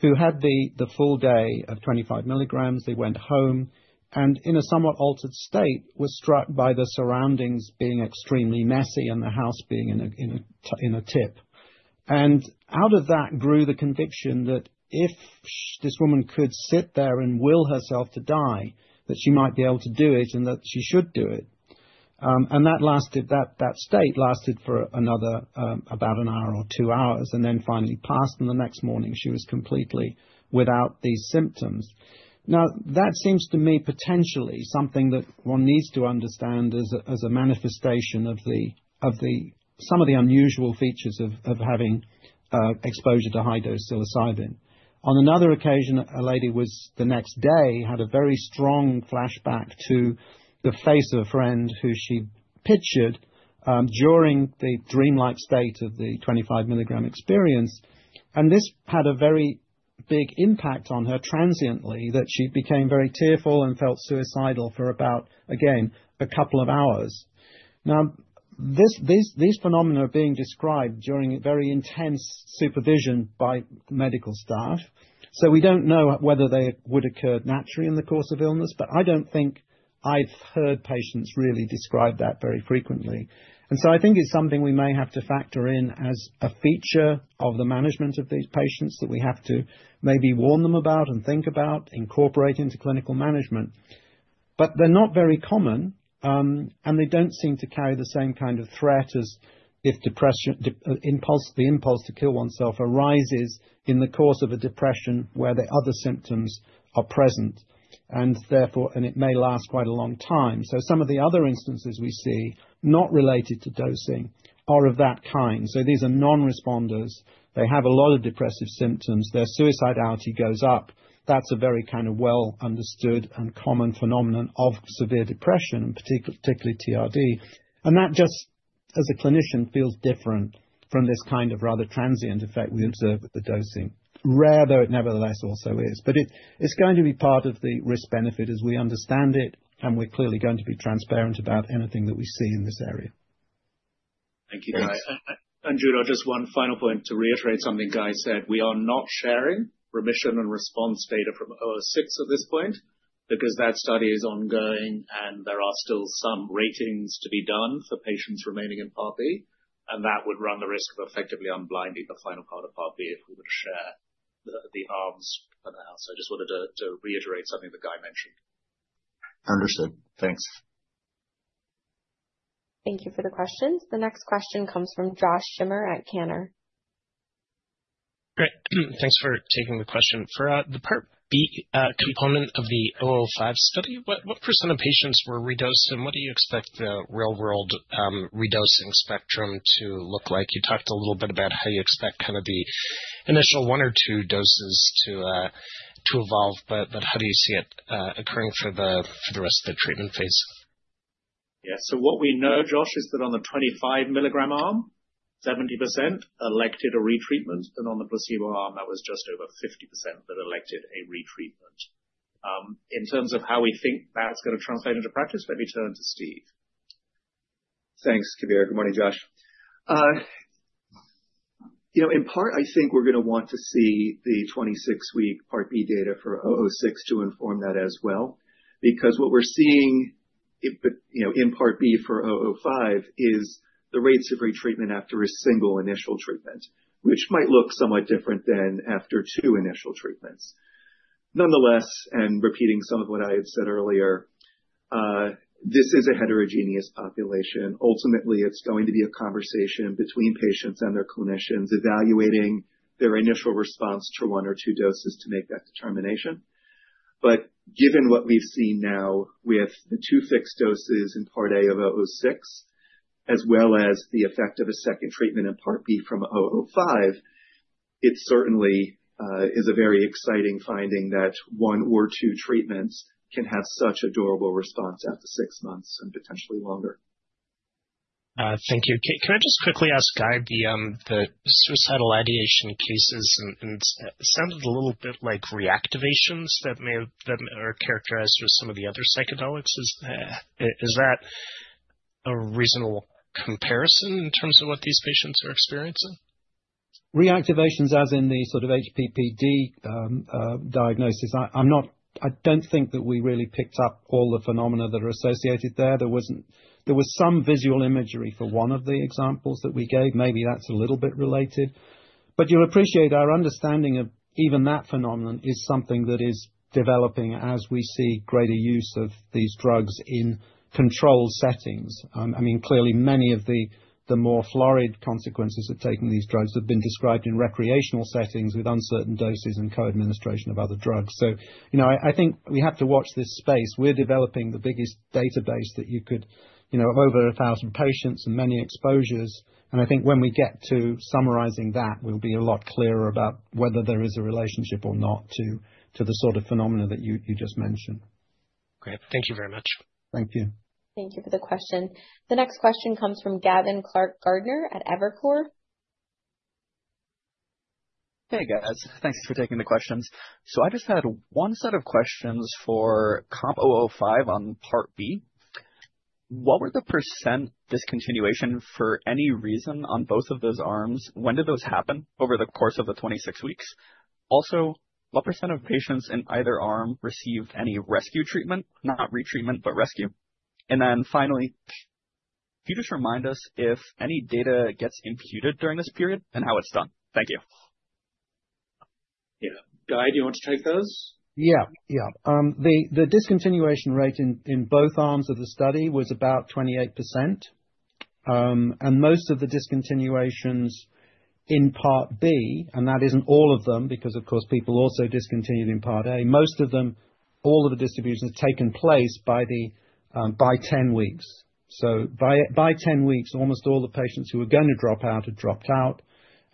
who had the full day of 25 milligrams. They went home, and in a somewhat altered state, was struck by the surroundings being extremely messy and the house being in a tip. And out of that grew the conviction that if this woman could sit there and will herself to die, that she might be able to do it and that she should do it. And that state lasted for another, about an hour or two hours, and then finally passed, and the next morning, she was completely without these symptoms. Now, that seems to me, potentially, something that one needs to understand as a manifestation of the some of the unusual features of having exposure to high-dose psilocybin. On another occasion, a lady was, the next day, had a very strong flashback to the face of a friend who she pictured, during the dreamlike state of the 25 milligram experience.... And this had a very big impact on her transiently, that she became very tearful and felt suicidal for about, again, a couple of hours. Now, these phenomena are being described during very intense supervision by medical staff, so we don't know whether they would occur naturally in the course of illness, but I don't think I've heard patients really describe that very frequently. And so I think it's something we may have to factor in as a feature of the management of these patients, that we have to maybe warn them about and think about, incorporate into clinical management. But they're not very common, and they don't seem to carry the same kind of threat as if depression, impulse, the impulse to kill oneself arises in the course of a depression where the other symptoms are present, and therefore... And it may last quite a long time. So some of the other instances we see, not related to dosing, are of that kind. So these are non-responders. They have a lot of depressive symptoms. Their suicidality goes up. That's a very kind of well-understood and common phenomenon of severe depression, particularly TRD. And that just, as a clinician, feels different from this kind of rather transient effect we observe with the dosing. Rare, though it nevertheless also is. But it, it's going to be part of the risk benefit as we understand it, and we're clearly going to be transparent about anything that we see in this area. Thank you, Guy. And you know, just one final point to reiterate something Guy said. We are not sharing remission and response data from COMP006 at this point, because that study is ongoing and there are still some ratings to be done for patients remaining in Part B, and that would run the risk of effectively unblinding the final part of Part B if we were to share the arms for that. So I just wanted to reiterate something that Guy mentioned. Understood. Thanks. Thank you for the questions. The next question comes from Josh Schimmer at Cantor. Great. Thanks for taking the question. For the Part B component of the COMP005 study, what % of patients were redosed, and what do you expect the real-world redosing spectrum to look like? You talked a little bit about how you expect kind of the initial one or two doses to evolve, but how do you see it occurring for the rest of the treatment phase? Yeah. So what we know, Josh, is that on the 25 milligram arm, 70% elected a retreatment, and on the placebo arm, that was just over 50% that elected a retreatment. In terms of how we think that's going to translate into practice, let me turn to Steve. Thanks, Kabir. Good morning, Josh. You know, in part, I think we're going to want to see the 26-week Part B data for COMP006 to inform that as well. Because what we're seeing it, but, you know, in Part B for COMP005, is the rates of retreatment after a single initial treatment, which might look somewhat different than after two initial treatments. Nonetheless, and repeating some of what I had said earlier, this is a heterogeneous population. Ultimately, it's going to be a conversation between patients and their clinicians, evaluating their initial response to one or two doses to make that determination. But given what we've seen now with the two fixed doses in Part A of 006, as well as the effect of a second treatment in Part B from 005, it certainly is a very exciting finding that one or two treatments can have such a durable response after six months and potentially longer. Thank you. Can I just quickly ask Guy, the suicidal ideation cases and sounded a little bit like reactivations that may have, that are characterized with some of the other psychedelics. Is that a reasonable comparison in terms of what these patients are experiencing? Reactivations, as in the sort of HPPD diagnosis? I'm not—I don't think that we really picked up all the phenomena that are associated there. There wasn't. There was some visual imagery for one of the examples that we gave. Maybe that's a little bit related. But you'll appreciate our understanding of even that phenomenon is something that is developing as we see greater use of these drugs in controlled settings. I mean, clearly, many of the more florid consequences of taking these drugs have been described in recreational settings, with uncertain doses and co-administration of other drugs. So you know, I think we have to watch this space. We're developing the biggest database that you could... You know, of over 1,000 patients and many exposures, and I think when we get to summarizing that, we'll be a lot clearer about whether there is a relationship or not to the sort of phenomena that you just mentioned. Great. Thank you very much. Thank you. Thank you for the question. The next question comes from Gavin Clark-Gartner at Evercore. Hey, guys. Thanks for taking the questions. So I just had one set of questions for COMP005 on Part B. What were the % discontinuation for any reason on both of those arms? When did those happen over the course of the 26 weeks? Also, what % of patients in either arm received any rescue treatment? Not retreatment, but rescue. And then finally, can you just remind us if any data gets imputed during this period, and how it's done? Thank you. Yeah. Guy, do you want to take those? Yeah. Yeah. The discontinuation rate in both arms of the study was about 28%. And most of the discontinuations in Part B, and that isn't all of them, because, of course, people also discontinued in Part A. Most of them... all of the discontinuations took place by 10 weeks. So by 10 weeks, almost all the patients who were going to drop out had dropped out,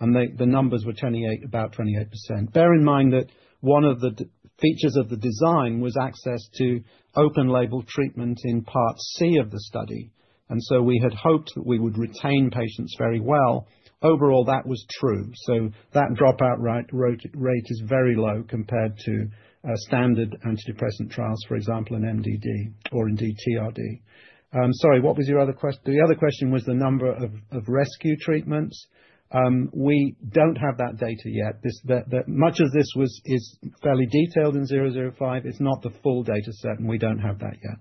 and the numbers were 28, about 28%. Bear in mind that one of the design features of the design was access to open label treatment in part C of the study, and so we had hoped that we would retain patients very well. Overall, that was true. So that dropout rate is very low compared to standard antidepressant trials, for example, in MDD or indeed TRD. Sorry, what was your other question? The other question was the number of rescue treatments. We don't have that data yet. Much of this was, is fairly detailed in 005. It's not the full data set, and we don't have that yet.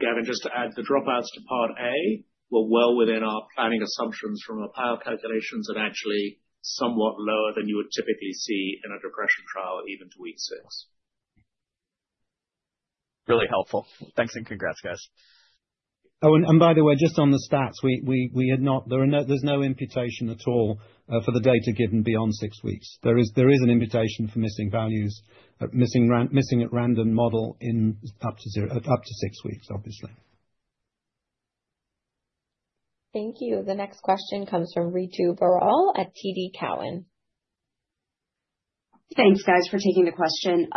Gavin, just to add, the dropouts to part A were well within our planning assumptions from our power calculations and actually somewhat lower than you would typically see in a depression trial, even to week six. Really helpful. Thanks, and congrats, guys. Oh, and by the way, just on the stats, we had not - there are no - there's no imputation at all for the data given beyond six weeks. There is an imputation for missing values, but missing at random model in up to zero up to six weeks, obviously. Thank you. The next question comes from Ritu Baral at TD Cowen. Thanks, guys, for taking the question.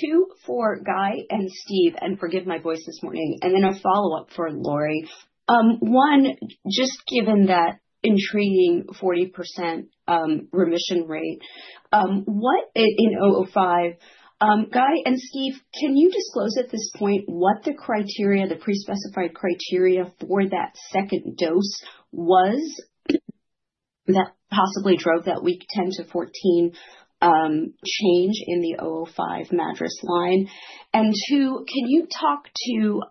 Two for Guy and Steve, and forgive my voice this morning, and then a follow-up for Lori. One, just given that intriguing 40% remission rate, what in 005, Guy and Steve, can you disclose at this point what the criteria, the pre-specified criteria for that second dose was that possibly drove that week 10 to 14 change in the 005 MADRS line? And two, can you talk to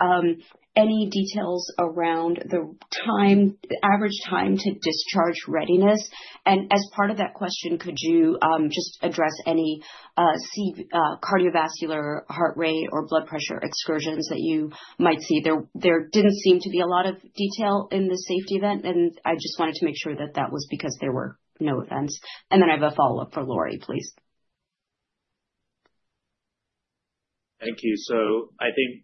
any details around the time, the average time to discharge readiness? And as part of that question, could you just address any cardiovascular, heart rate, or blood pressure excursions that you might see? There didn't seem to be a lot of detail in the safety event, and I just wanted to make sure that that was because there were no events. And then I have a follow-up for Lori, please. Thank you. So I think,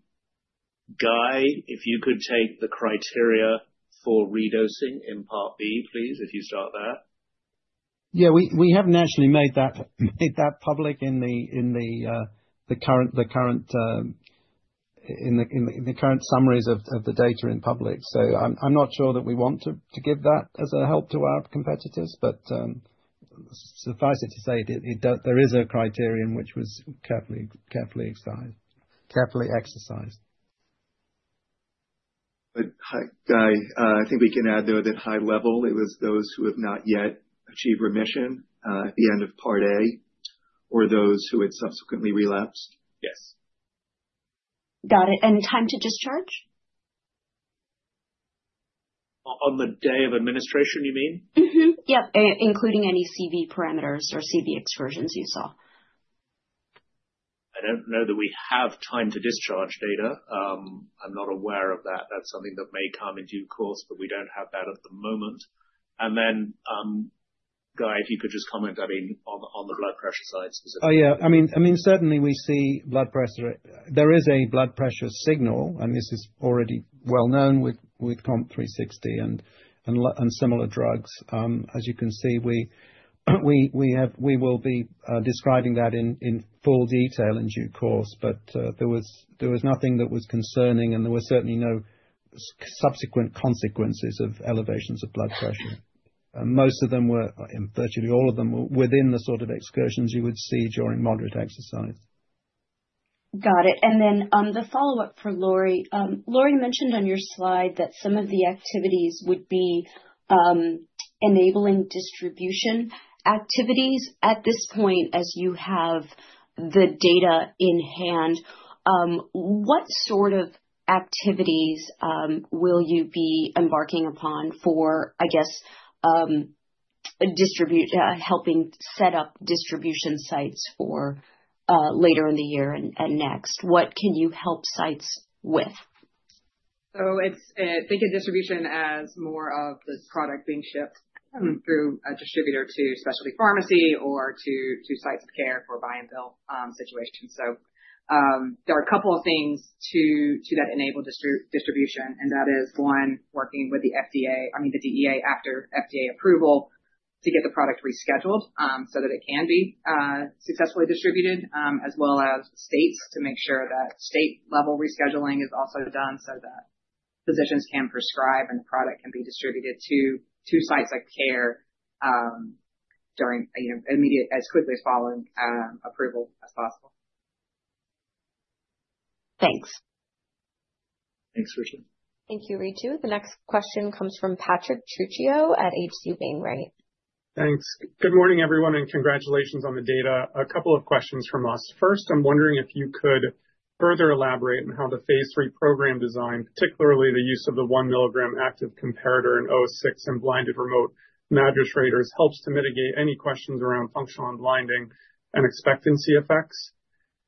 Guy, if you could take the criteria for redosing in part B, please, if you start there. Yeah, we haven't actually made that public in the current summaries of the data in public. So I'm not sure that we want to give that as a help to our competitors. But suffice it to say, it does... There is a criterion which was carefully exercised. But Guy, I think we can add, though, that high level, it was those who have not yet achieved remission at the end of part A, or those who had subsequently relapsed. Yes. Got it. And time to discharge? On the day of administration, you mean? Mm-hmm. Yep, including any CV parameters or CV excursions you saw. I don't know that we have time to discharge data. I'm not aware of that. That's something that may come in due course, but we don't have that at the moment. And then, Guy, if you could just comment, I mean, on the blood pressure side. Oh, yeah. I mean, certainly we see blood pressure. There is a blood pressure signal, and this is already well known with COMP360 and similar drugs. As you can see, we will be describing that in full detail in due course, but there was nothing that was concerning, and there was certainly no subsequent consequences of elevations of blood pressure. And most of them were, and virtually all of them were within the sort of excursions you would see during moderate exercise. Got it. Then, the follow-up for Lori. Lori mentioned on your slide that some of the activities would be enabling distribution activities. At this point, as you have the data in hand, what sort of activities will you be embarking upon for, I guess, helping set up distribution sites for later in the year and next? What can you help sites with? So it's, think of distribution as more of this product being shipped through a distributor to specialty pharmacy or to sites of care for buy and bill situations. So, there are a couple of things to that enable distribution, and that is one, working with the FDA, I mean, the DEA, after FDA approval to get the product rescheduled, so that it can be successfully distributed, as well as states to make sure that state-level rescheduling is also done so that physicians can prescribe and the product can be distributed to sites of care, during, you know, as quickly following approval as possible. Thanks. Thanks, Ritu. Thank you, Ritu. The next question comes from Patrick Trucchio at H.C. Wainwright. Thanks. Good morning, everyone, and congratulations on the data. A couple of questions from us. First, I'm wondering if you could further elaborate on how the phase III program design, particularly the use of the 1 milligram active comparator in COMP006 and blinded remote MADRS raters, helps to mitigate any questions around functional unblinding and expectancy effects?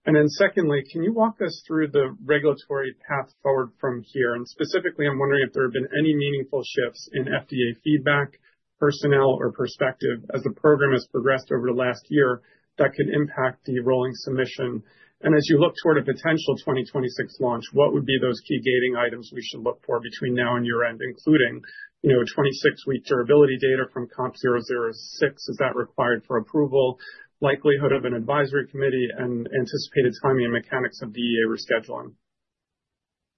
And then secondly, can you walk us through the regulatory path forward from here? And specifically, I'm wondering if there have been any meaningful shifts in FDA feedback, personnel, or perspective as the program has progressed over the last year that could impact the rolling submission. And as you look toward a potential 2026 launch, what would be those key gating items we should look for between now and year-end, including, you know, 26-week durability data from COMP006? Is that required for approval, likelihood of an advisory committee, and anticipated timing and mechanics of DEA rescheduling?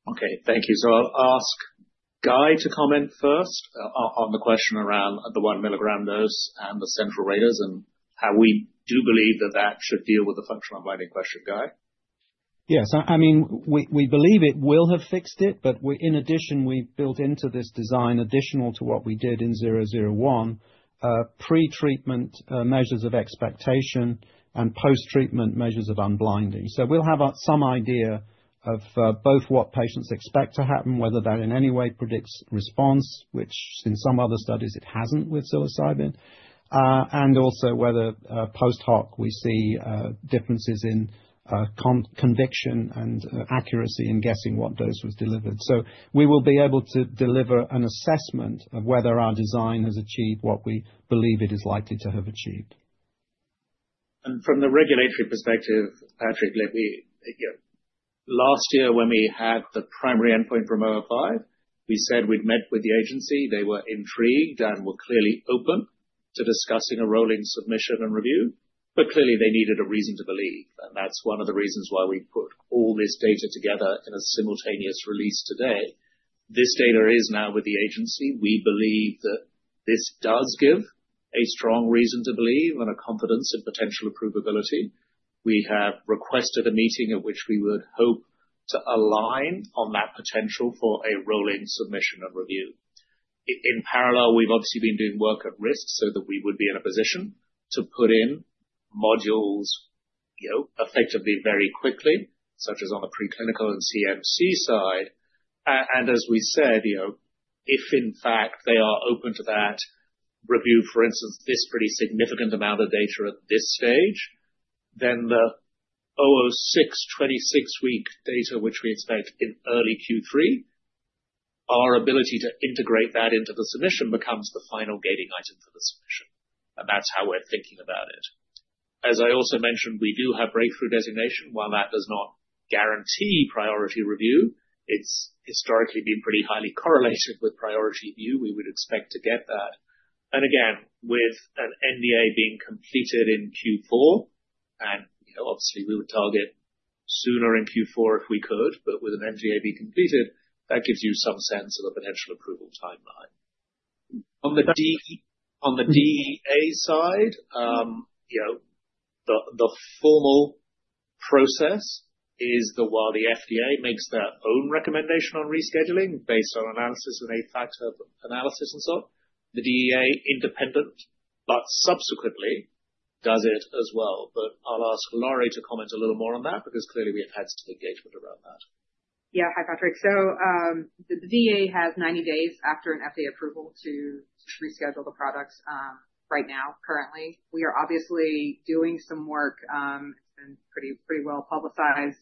Okay, thank you. So I'll ask Guy to comment first on the question around the 1 milligram dose and the central raters, and how we do believe that that should deal with the functional unblinding question. Guy? Yes. I mean, we believe it will have fixed it, but we—in addition, we've built into this design, additional to what we did in 001, pretreatment measures of expectation and post-treatment measures of unblinding. So we'll have some idea of both what patients expect to happen, whether that in any way predicts response, which in some other studies it hasn't with psilocybin. And also whether post-hoc we see differences in conviction and accuracy in guessing what dose was delivered. So we will be able to deliver an assessment of whether our design has achieved what we believe it is likely to have achieved. From the regulatory perspective, Patrick, let me, yeah. Last year, when we had the primary endpoint from 005, we said we'd met with the agency. They were intrigued and were clearly open to discussing a rolling submission and review, but clearly they needed a reason to believe, and that's one of the reasons why we put all this data together in a simultaneous release today. This data is now with the agency. We believe that this does give a strong reason to believe and a confidence in potential approvability. We have requested a meeting at which we would hope to align on that potential for a rolling submission and review. In parallel, we've obviously been doing work at risk so that we would be in a position to put in modules, you know, effectively, very quickly, such as on the preclinical and CMC side. And as we said, you know, if in fact they are open to that review, for instance, this pretty significant amount of data at this stage, then the 006 26-week data, which we expect in early Q3, our ability to integrate that into the submission becomes the final gating item for the submission, and that's how we're thinking about it. As I also mentioned, we do have breakthrough designation. While that does not guarantee priority review, it's historically been pretty highly correlated with priority review. We would expect to get that. And again, with an NDA being completed in Q4, and, you know, obviously we would target sooner in Q4 if we could, but with an NDA being completed, that gives you some sense of the potential approval timeline. On the DEA side, you know, the formal process is that while the FDA makes their own recommendation on rescheduling based on analysis and a factor of analysis and so on, the DEA independent, but subsequently does it as well. But I'll ask Lori to comment a little more on that, because clearly we have had some engagement around that. Yeah. Hi, Patrick. So, the DEA has 90 days after an FDA approval to reschedule the products. Right now, currently, we are obviously doing some work, it's been pretty well publicized.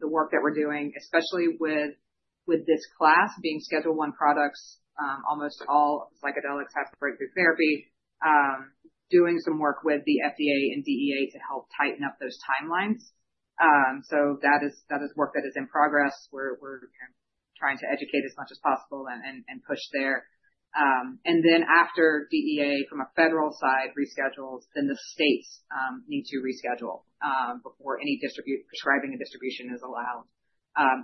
The work that we're doing, especially with this class being Schedule I products, almost all psychedelics have Breakthrough Therapy, doing some work with the FDA and DEA to help tighten up those timelines. So that is work that is in progress. We're trying to educate as much as possible and push there. And then after DEA, from a federal side, reschedules, then the states need to reschedule, before any distribution, prescribing and distribution is allowed,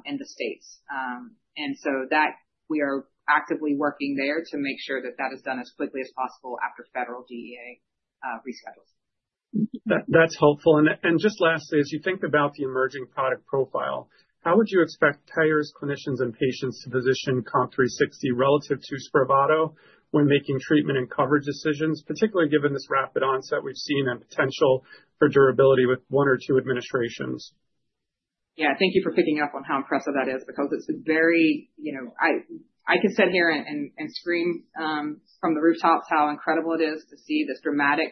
in the states. and so that we are actively working there to make sure that that is done as quickly as possible after federal DEA reschedules. That's helpful. And just lastly, as you think about the emerging product profile, how would you expect payers, clinicians, and patients to position COMP360 relative to Spravato when making treatment and coverage decisions, particularly given this rapid onset we've seen and potential for durability with one or two administrations? Yeah, thank you for picking up on how impressive that is, because it's a very, you know, I can sit here and scream from the rooftops how incredible it is to see this dramatic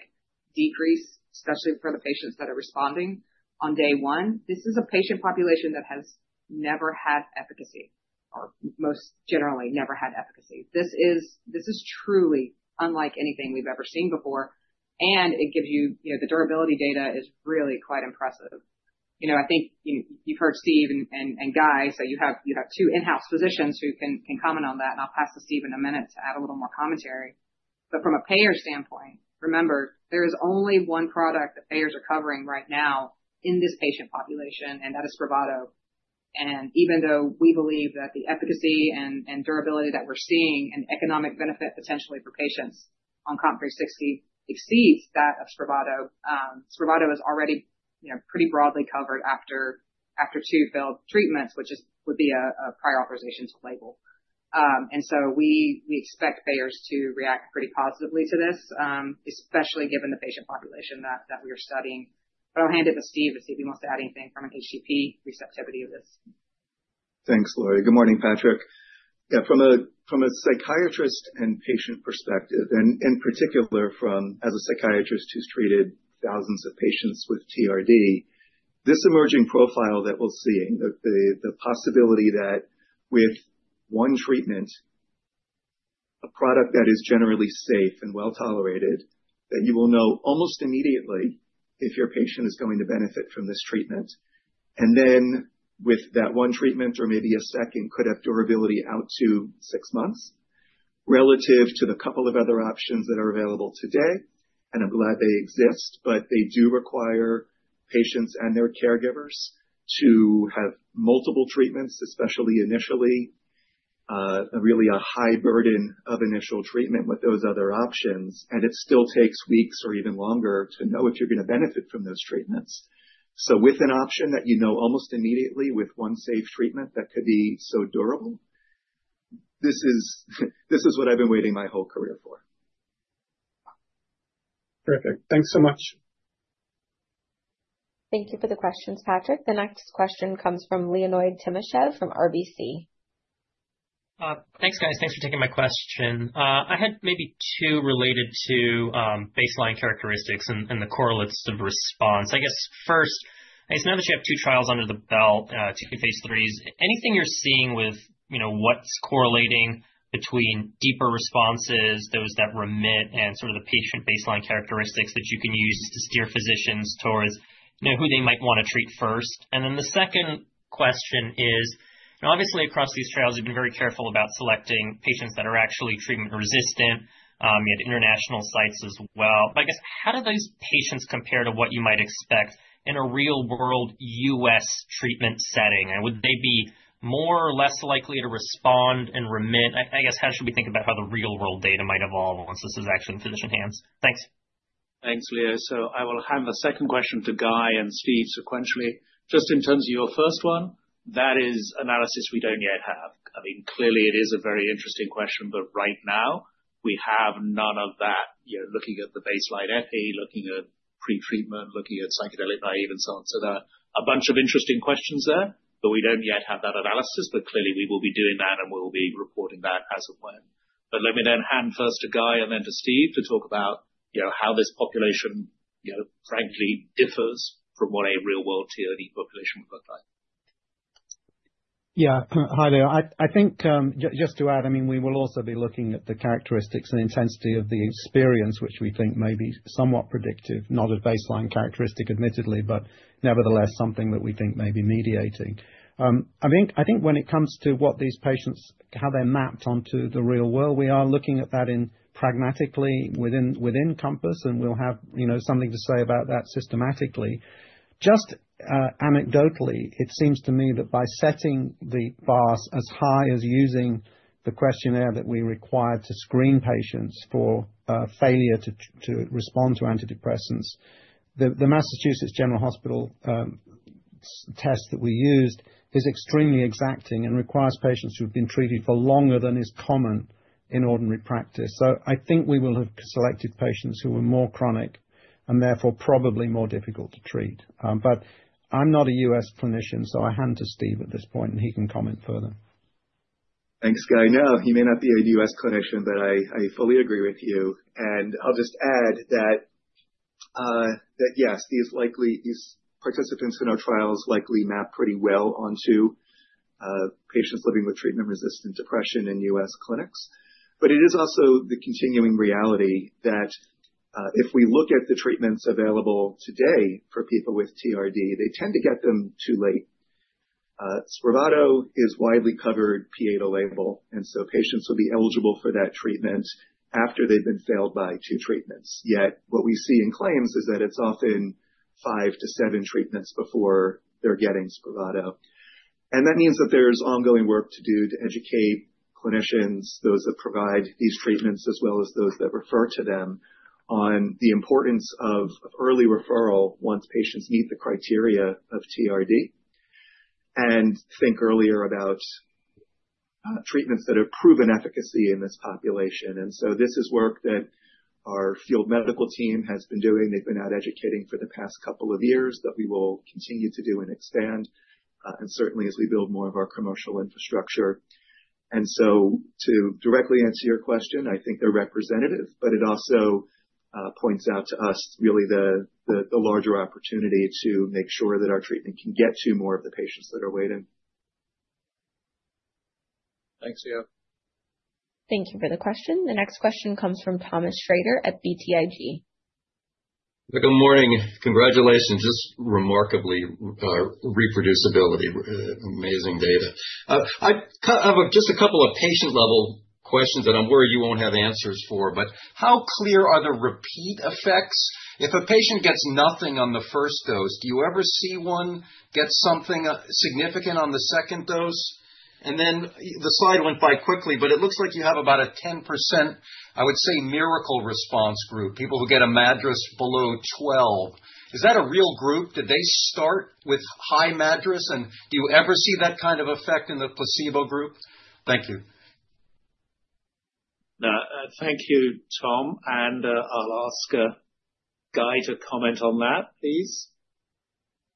decrease, especially for the patients that are responding on day one. This is a patient population that has never had efficacy or most generally never had efficacy. This is truly unlike anything we've ever seen before, and it gives you, you know, the durability data is really quite impressive. You know, I think you, you've heard Steve and Guy, so you have two in-house physicians who can comment on that, and I'll pass to Steve in a minute to add a little more commentary. But from a payer standpoint, remember, there is only one product that payers are covering right now in this patient population, and that is Spravato. And even though we believe that the efficacy and durability that we're seeing and economic benefit potentially for patients on COMP360 exceeds that of Spravato, Spravato is already, you know, pretty broadly covered after two failed treatments, which would be a prior authorization to label. And so we expect payers to react pretty positively to this, especially given the patient population that we are studying. But I'll hand it to Steve to see if he wants to add anything from an HCP receptivity of this.... Thanks, Lori. Good morning, Patrick. Yeah, from a psychiatrist and patient perspective, and in particular from, as a psychiatrist who's treated thousands of patients with TRD, this emerging profile that we're seeing, the possibility that with one treatment, a product that is generally safe and well-tolerated, that you will know almost immediately if your patient is going to benefit from this treatment. And then with that one treatment or maybe a second, could have durability out to six months relative to the couple of other options that are available today. And I'm glad they exist, but they do require patients and their caregivers to have multiple treatments, especially initially, really a high burden of initial treatment with those other options, and it still takes weeks or even longer to know if you're going to benefit from those treatments. With an option that, you know, almost immediately with one safe treatment that could be so durable, this is what I've been waiting my whole career for. Perfect. Thanks so much. Thank you for the questions, Patrick. The next question comes from Leonid Timashev from RBC. Thanks, guys. Thanks for taking my question. I had maybe two related to baseline characteristics and the correlates of response. I guess first, I just know that you have two trials under the belt, two Phase 3s. Anything you're seeing with, you know, what's correlating between deeper responses, those that remit and sort of the patient baseline characteristics that you can use to steer physicians towards, you know, who they might want to treat first? And then the second question is, now, obviously across these trials, you've been very careful about selecting patients that are actually treatment resistant, you had international sites as well. But I guess, how do those patients compare to what you might expect in a real-world U.S. treatment setting? And would they be more or less likely to respond and remit? I guess, how should we think about how the real-world data might evolve once this is actually in physician hands? Thanks. Thanks, Leo. So I will hand the second question to Guy and Steve sequentially. Just in terms of your first one, that is analysis we don't yet have. I mean, clearly it is a very interesting question, but right now, we have none of that. You know, looking at the baseline EP, looking at pretreatment, looking at psychedelic naiveness, and so on. So there are a bunch of interesting questions there, but we don't yet have that analysis, but clearly we will be doing that, and we'll be reporting back as of when. But let me then hand first to Guy and then to Steve to talk about, you know, how this population, you know, frankly, differs from what a real-world TRD population would look like. Yeah. Hi there. I think just to add, I mean, we will also be looking at the characteristics and intensity of the experience, which we think may be somewhat predictive, not a baseline characteristic, admittedly, but nevertheless something that we think may be mediating. I think when it comes to what these patients, how they're mapped onto the real world, we are looking at that in a pragmatic way within Compass, and we'll have, you know, something to say about that systematically. Just anecdotally, it seems to me that by setting the bar as high as using the questionnaire that we required to screen patients for failure to respond to antidepressants, the Massachusetts General Hospital's test that we used is extremely exacting and requires patients who have been treated for longer than is common in ordinary practice. So I think we will have selected patients who are more chronic and therefore probably more difficult to treat. But I'm not a U.S. clinician, so I hand to Steve at this point, and he can comment further. Thanks, Guy. No, he may not be a U.S. clinician, but I, I fully agree with you. And I'll just add that, that yes, these likely... These participants in our trials likely map pretty well onto, patients living with treatment-resistant depression in U.S. clinics. But it is also the continuing reality that, if we look at the treatments available today for people with TRD, they tend to get them too late. Spravato is widely covered PA to label, and so patients will be eligible for that treatment after they've been failed by two treatments. Yet, what we see in claims is that it's often five to seven treatments before they're getting Spravato. And that means that there's ongoing work to do to educate clinicians, those that provide these treatments, as well as those that refer to them, on the importance of early referral once patients meet the criteria of TRD, and think earlier about treatments that have proven efficacy in this population. And so this is work that our field medical team has been doing. They've been out educating for the past couple of years that we will continue to do and expand, and certainly as we build more of our commercial infrastructure. And so to directly answer your question, I think they're representative, but it also points out to us really the larger opportunity to make sure that our treatment can get to more of the patients that are waiting. Thanks, Steve. Thank you for the question. The next question comes from Thomas Shrader at BTIG. Good morning. Congratulations. Just remarkably reproducible, amazing data. I have just a couple of patient-level questions that I'm worried you won't have answers for, but how clear are the repeat effects? If a patient gets nothing on the first dose, do you ever see one get something significant on the second dose? And then the slide went by quickly, but it looks like you have about a 10%, I would say, miracle response group, people who get a MADRS below 12. Is that a real group? Did they start with high MADRS, and do you ever see that kind of effect in the placebo group? Thank you. ... thank you, Tom. And, I'll ask, Guy to comment on that, please.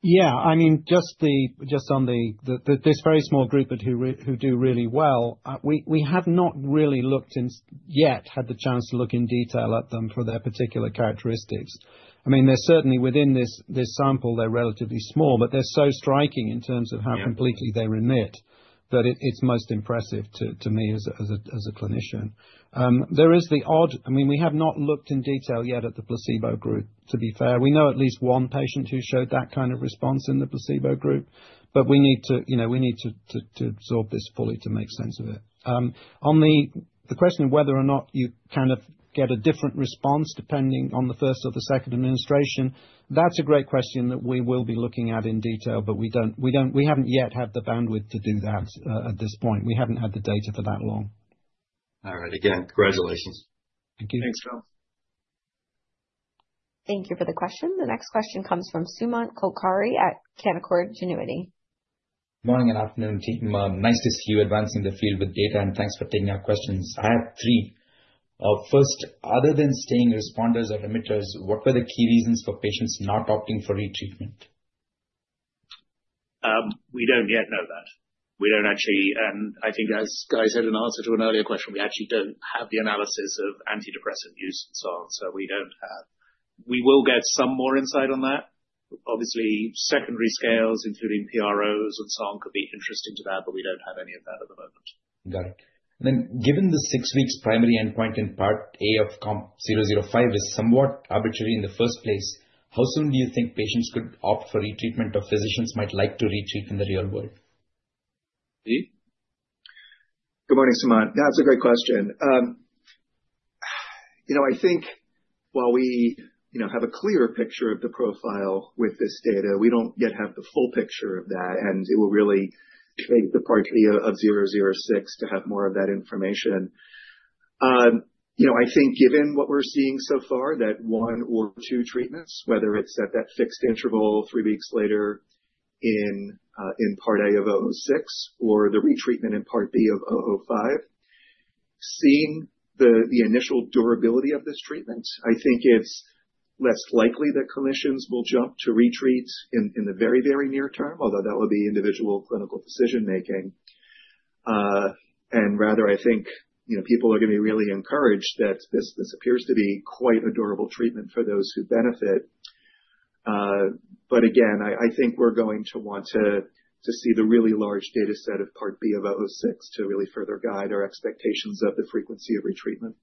Yeah. I mean, just on this very small group who really do well, we have not really looked in yet had the chance to look in detail at them for their particular characteristics. I mean, they're certainly within this sample, they're relatively small, but they're so striking in terms of- Yeah how completely they remit, that it's most impressive to me as a clinician. There is the odd... I mean, we have not looked in detail yet at the placebo group, to be fair. We know at least one patient who showed that kind of response in the placebo group. But we need to, you know, absorb this fully to make sense of it. On the question of whether or not you kind of get a different response, depending on the first or the second administration, that's a great question that we will be looking at in detail, but we don't—we haven't yet had the bandwidth to do that at this point. We haven't had the data for that long. All right. Again, congratulations. Thank you. Thanks, Tom. Thank you for the question. The next question comes from Sumant Kulkarni at Canaccord Genuity. Morning and afternoon team. Nice to see you advancing the field with data, and thanks for taking our questions. I have three. First, other than staying responders or remitters, what were the key reasons for patients not opting for retreatment? We don't yet know that. We don't actually, I think as Guy said in answer to an earlier question, we actually don't have the analysis of antidepressant use and so on, so we don't have... We will get some more insight on that. Obviously, secondary scales, including PROs and so on, could be interesting to that, but we don't have any of that at the moment. Got it. Then, given the six weeks primary endpoint in part A of COMP005 is somewhat arbitrary in the first place, how soon do you think patients could opt for retreatment or physicians might like to retreat in the real world? Steve? Good morning, Sumant. That's a great question. You know, I think while we, you know, have a clearer picture of the profile with this data, we don't yet have the full picture of that, and it will really take the part A of 006 to have more of that information. You know, I think given what we're seeing so far, that one or two treatments, whether it's at that fixed interval, three weeks later in part A of 006 or the retreatment in part B of 005, seeing the initial durability of this treatment, I think it's less likely that clinicians will jump to re-treat in the very, very near term, although that would be individual clinical decision making. And rather, I think, you know, people are gonna be really encouraged that this appears to be quite a durable treatment for those who benefit. But again, I think we're going to want to see the really large data set of part B of 006 to really further guide our expectations of the frequency of retreatment.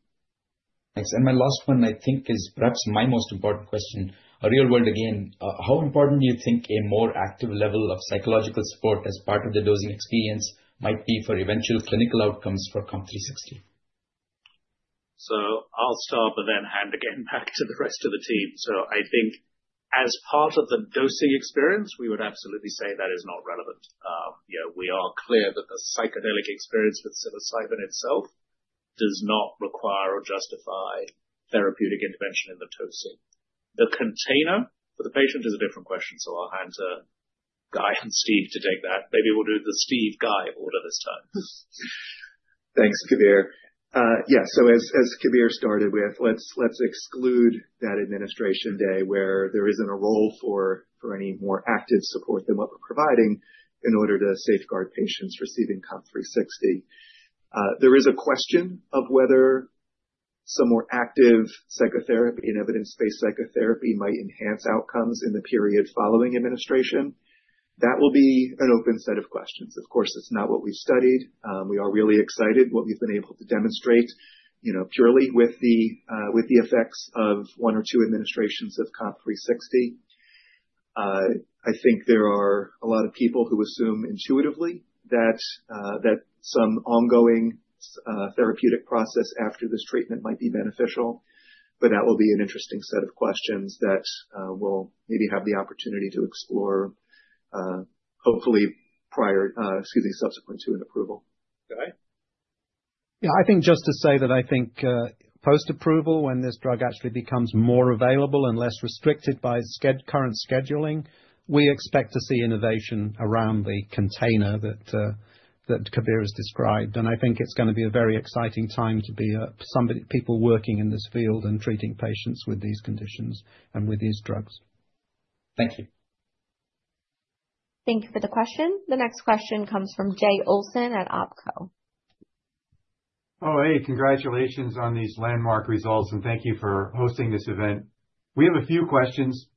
Thanks. And my last one, I think, is perhaps my most important question. In the real world, again, how important do you think a more active level of psychological support as part of the dosing experience might be for eventual clinical outcomes for COMP360? So I'll start, but then hand again back to the rest of the team. So I think as part of the dosing experience, we would absolutely say that is not relevant. You know, we are clear that the psychedelic experience with psilocybin itself does not require or justify therapeutic intervention in the dosing. The container for the patient is a different question, so I'll hand to Guy and Steve to take that. Maybe we'll do the Steve, Guy order this time. Thanks, Kabir. Yeah, so as Kabir started with, let's exclude that administration day, where there isn't a role for any more active support than what we're providing in order to safeguard patients receiving COMP360. There is a question of whether some more active psychotherapy and evidence-based psychotherapy might enhance outcomes in the period following administration. That will be an open set of questions. Of course, it's not what we've studied. We are really excited what we've been able to demonstrate, you know, purely with the effects of one or two administrations of COMP360. I think there are a lot of people who assume intuitively that some ongoing therapeutic process after this treatment might be beneficial, but that will be an interesting set of questions that we'll maybe have the opportunity to explore, hopefully prior, excuse me, subsequent to an approval. Guy? Yeah, I think just to say that I think, post-approval, when this drug actually becomes more available and less restricted by current scheduling, we expect to see innovation around the container that that Kabir has described. And I think it's gonna be a very exciting time to be a somebody—people working in this field and treating patients with these conditions and with these drugs. Thank you. Thank you for the question. The next question comes from Jay Olson at Opco. Oh, hey, congratulations on these landmark results, and thank you for hosting this event. We have a few questions.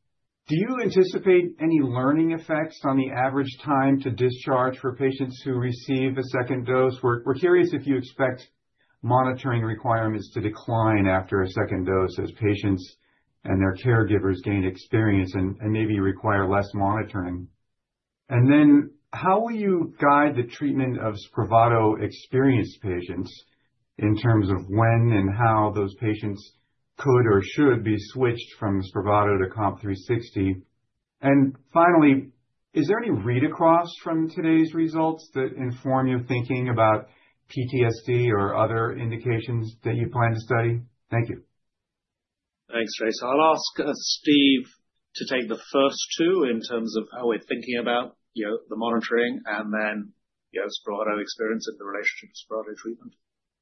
Do you anticipate any learning effects on the average time to discharge for patients who receive a second dose? We're curious if you expect monitoring requirements to decline after a second dose, as patients and their caregivers gain experience and maybe require less monitoring. And then, how will you guide the treatment of Spravato experienced patients in terms of when and how those patients could or should be switched from Spravato to COMP360? And finally, is there any read across from today's results that inform your thinking about PTSD or other indications that you plan to study? Thank you.... Thanks, Tracy. I'll ask, Steve to take the first two in terms of how we're thinking about, you know, the monitoring, and then, you know, Spravato experience and the relationship to Spravato treatment.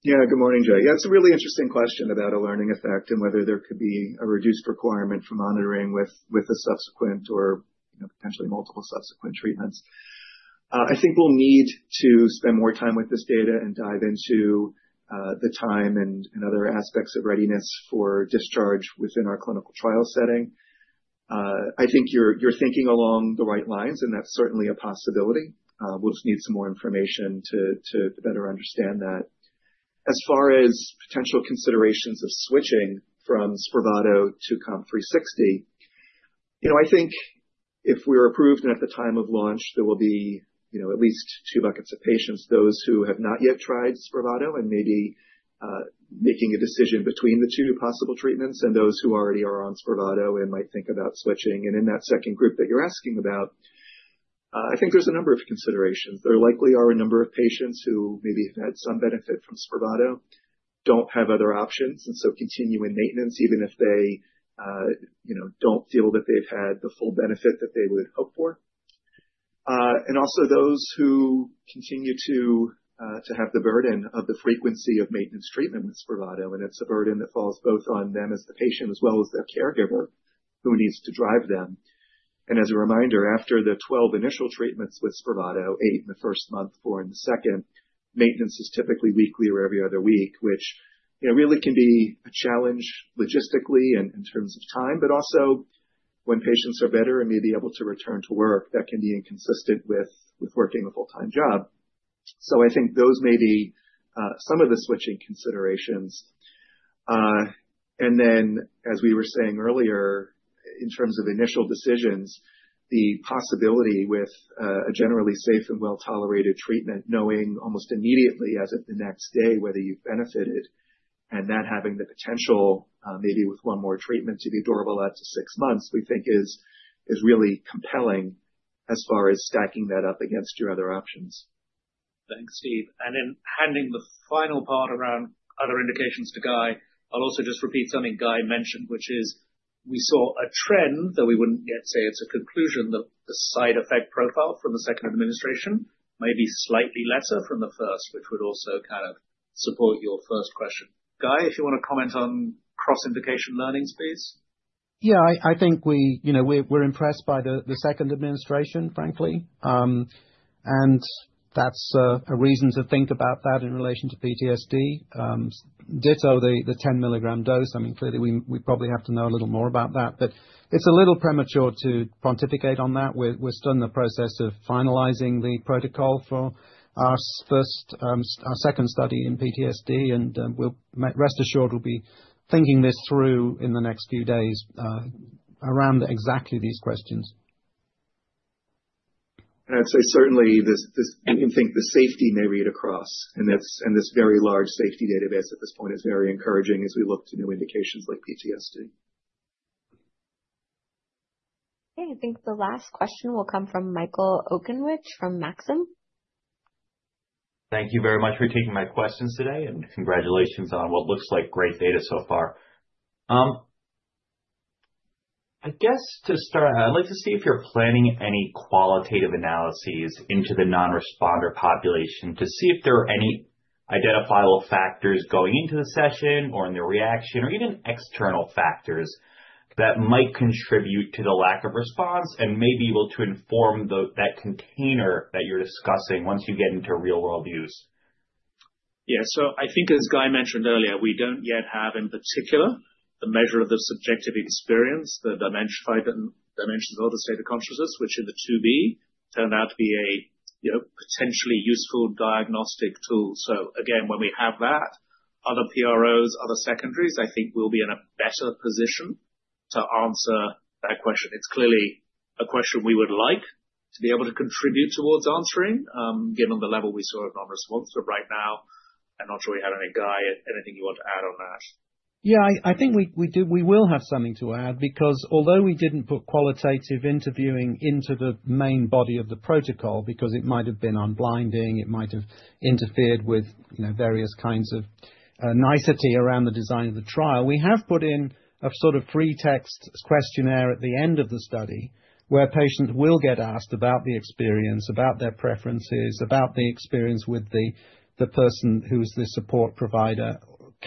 Yeah. Good morning, Joe. Yeah, it's a really interesting question about a learning effect and whether there could be a reduced requirement for monitoring with a subsequent or, you know, potentially multiple subsequent treatments. I think we'll need to spend more time with this data and dive into the time and other aspects of readiness for discharge within our clinical trial setting. I think you're thinking along the right lines, and that's certainly a possibility. We'll just need some more information to better understand that. As far as potential considerations of switching from Spravato to COMP360, you know, I think if we're approved and at the time of launch, there will be, you know, at least two buckets of patients, those who have not yet tried Spravato and maybe making a decision between the two possible treatments and those who already are on Spravato and might think about switching. And in that second group that you're asking about, I think there's a number of considerations. There likely are a number of patients who maybe have had some benefit from Spravato, don't have other options, and so continue in maintenance, even if they, you know, don't feel that they've had the full benefit that they would hope for. And also those who continue to have the burden of the frequency of maintenance treatment with Spravato, and it's a burden that falls both on them, as the patient, as well as their caregiver, who needs to drive them. As a reminder, after the 12 initial treatments with Spravato, eight in the first month, four in the second, maintenance is typically weekly or every other week, which, you know, really can be a challenge logistically and in terms of time, but also when patients are better and may be able to return to work, that can be inconsistent with working a full-time job. So I think those may be some of the switching considerations. And then, as we were saying earlier, in terms of initial decisions, the possibility with a generally safe and well-tolerated treatment, knowing almost immediately, as of the next day, whether you've benefited and that having the potential, maybe with one more treatment, to be durable up to six months, we think is really compelling as far as stacking that up against your other options. Thanks, Steve. And in handing the final part around other indications to Guy, I'll also just repeat something Guy mentioned, which is we saw a trend, though we wouldn't yet say it's a conclusion, that the side effect profile from the second administration may be slightly lesser from the first, which would also kind of support your first question. Guy, if you want to comment on cross indication learnings, please? Yeah, I think you know, we're impressed by the second administration, frankly. And that's a reason to think about that in relation to PTSD. Ditto, the 10 milligram dose. I mean, clearly, we probably have to know a little more about that, but it's a little premature to pontificate on that. We're still in the process of finalizing the protocol for our second study in PTSD, and rest assured, we'll be thinking this through in the next few days around exactly these questions. I'd say, certainly, we can think the safety may read across, and this very large safety database at this point is very encouraging as we look to new indications like PTSD. Okay, I think the last question will come from Michael Okunewitch, from Maxim. Thank you very much for taking my questions today, and congratulations on what looks like great data so far. I guess to start, I'd like to see if you're planning any qualitative analyses into the non-responder population to see if there are any identifiable factors going into the session or in the reaction, or even external factors that might contribute to the lack of response and may be able to inform that container that you're discussing once you get into real world use? Yeah. So I think, as Guy mentioned earlier, we don't yet have, in particular, the measure of the subjective experience, the five dimensions of the state of consciousness, which in the 2b turned out to be a, you know, potentially useful diagnostic tool. So again, when we have that, other PROs, other secondaries, I think we'll be in a better position to answer that question. It's clearly a question we would like to be able to contribute towards answering, given the level we saw of non-response. But right now, I'm not sure. I don't know, Guy, anything you want to add on that? Yeah, I think we will have something to add, because although we didn't put qualitative interviewing into the main body of the protocol, because it might have been unblinding, it might have interfered with, you know, various kinds of, nicety around the design of the trial. We have put in a sort of free text questionnaire at the end of the study, where patients will get asked about the experience, about their preferences, about the experience with the person who's the support provider.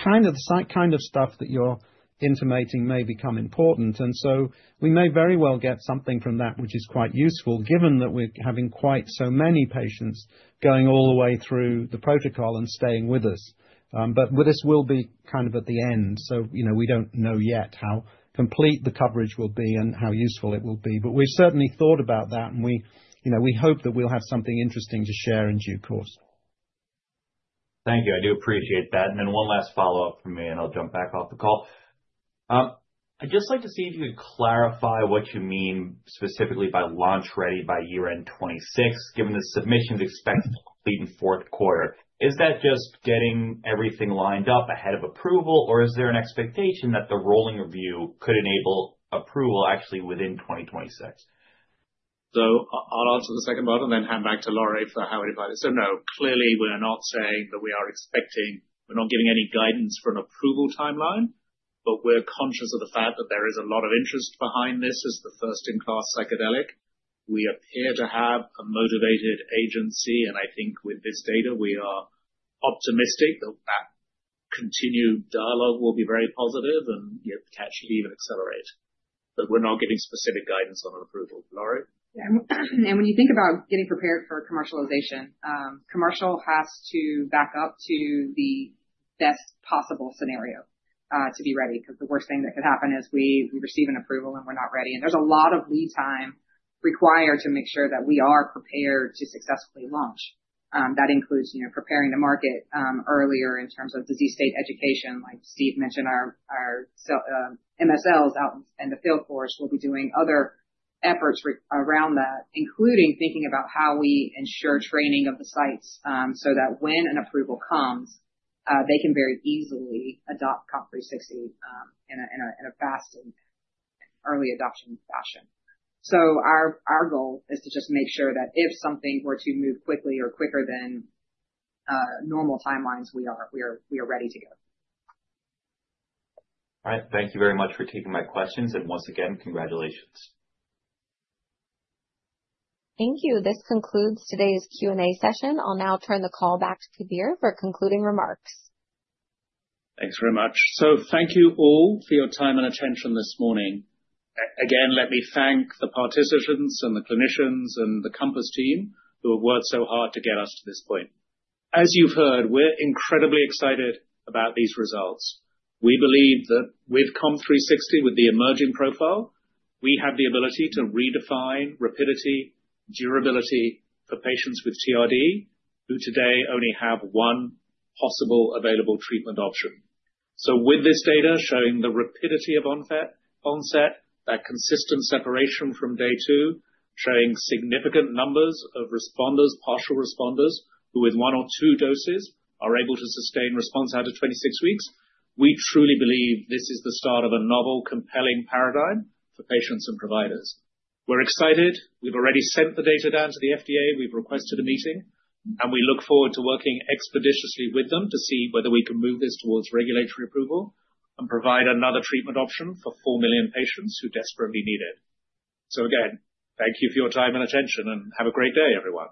Kind of that kind of stuff that you're intimating may become important. And so we may very well get something from that which is quite useful, given that we're having quite so many patients going all the way through the protocol and staying with us. This will be kind of at the end, so, you know, we don't know yet how complete the coverage will be and how useful it will be. We've certainly thought about that, and we, you know, we hope that we'll have something interesting to share in due course. Thank you. I do appreciate that. And then one last follow-up from me, and I'll jump back off the call. I'd just like to see if you could clarify what you mean specifically by launch ready by year-end 2026, given the submission is expected to complete in fourth quarter. Is that just getting everything lined up ahead of approval, or is there an expectation that the rolling review could enable approval actually within 2026? ... I'll answer the second part and then hand back to Lori for how we advise. So no, clearly, we're not saying that we are expecting. We're not giving any guidance for an approval timeline, but we're conscious of the fact that there is a lot of interest behind this as the first-in-class psychedelic. We appear to have a motivated agency, and I think with this data, we are optimistic that that continued dialogue will be very positive and, you know, potentially even accelerate. But we're not giving specific guidance on an approval. Lori? Yeah. And when you think about getting prepared for commercialization, commercial has to back up to the best possible scenario to be ready, because the worst thing that could happen is we receive an approval, and we're not ready. And there's a lot of lead time required to make sure that we are prepared to successfully launch. That includes, you know, preparing the market earlier in terms of disease state education. Like Steve mentioned, our MSLs out in the field force will be doing other efforts around that, including thinking about how we ensure training of the sites, so that when an approval comes, they can very easily adopt COMP360 in a fast and early adoption fashion. So our goal is to just make sure that if something were to move quickly or quicker than normal timelines, we are ready to go. All right. Thank you very much for taking my questions. Once again, congratulations. Thank you. This concludes today's Q&A session. I'll now turn the call back to Kabir for concluding remarks. Thanks very much. So thank you all for your time and attention this morning. Again, let me thank the participants and the clinicians and the Compass team who have worked so hard to get us to this point. As you've heard, we're incredibly excited about these results. We believe that with COMP360, with the emerging profile, we have the ability to redefine rapidity, durability for patients with TRD, who today only have one possible available treatment option. So with this data showing the rapidity of onset, that consistent separation from day two, showing significant numbers of responders, partial responders, who with one or two doses are able to sustain response out to 26 weeks, we truly believe this is the start of a novel, compelling paradigm for patients and providers. We're excited. We've already sent the data down to the FDA. We've requested a meeting, and we look forward to working expeditiously with them to see whether we can move this towards regulatory approval and provide another treatment option for 4 million patients who desperately need it. So again, thank you for your time and attention, and have a great day, everyone.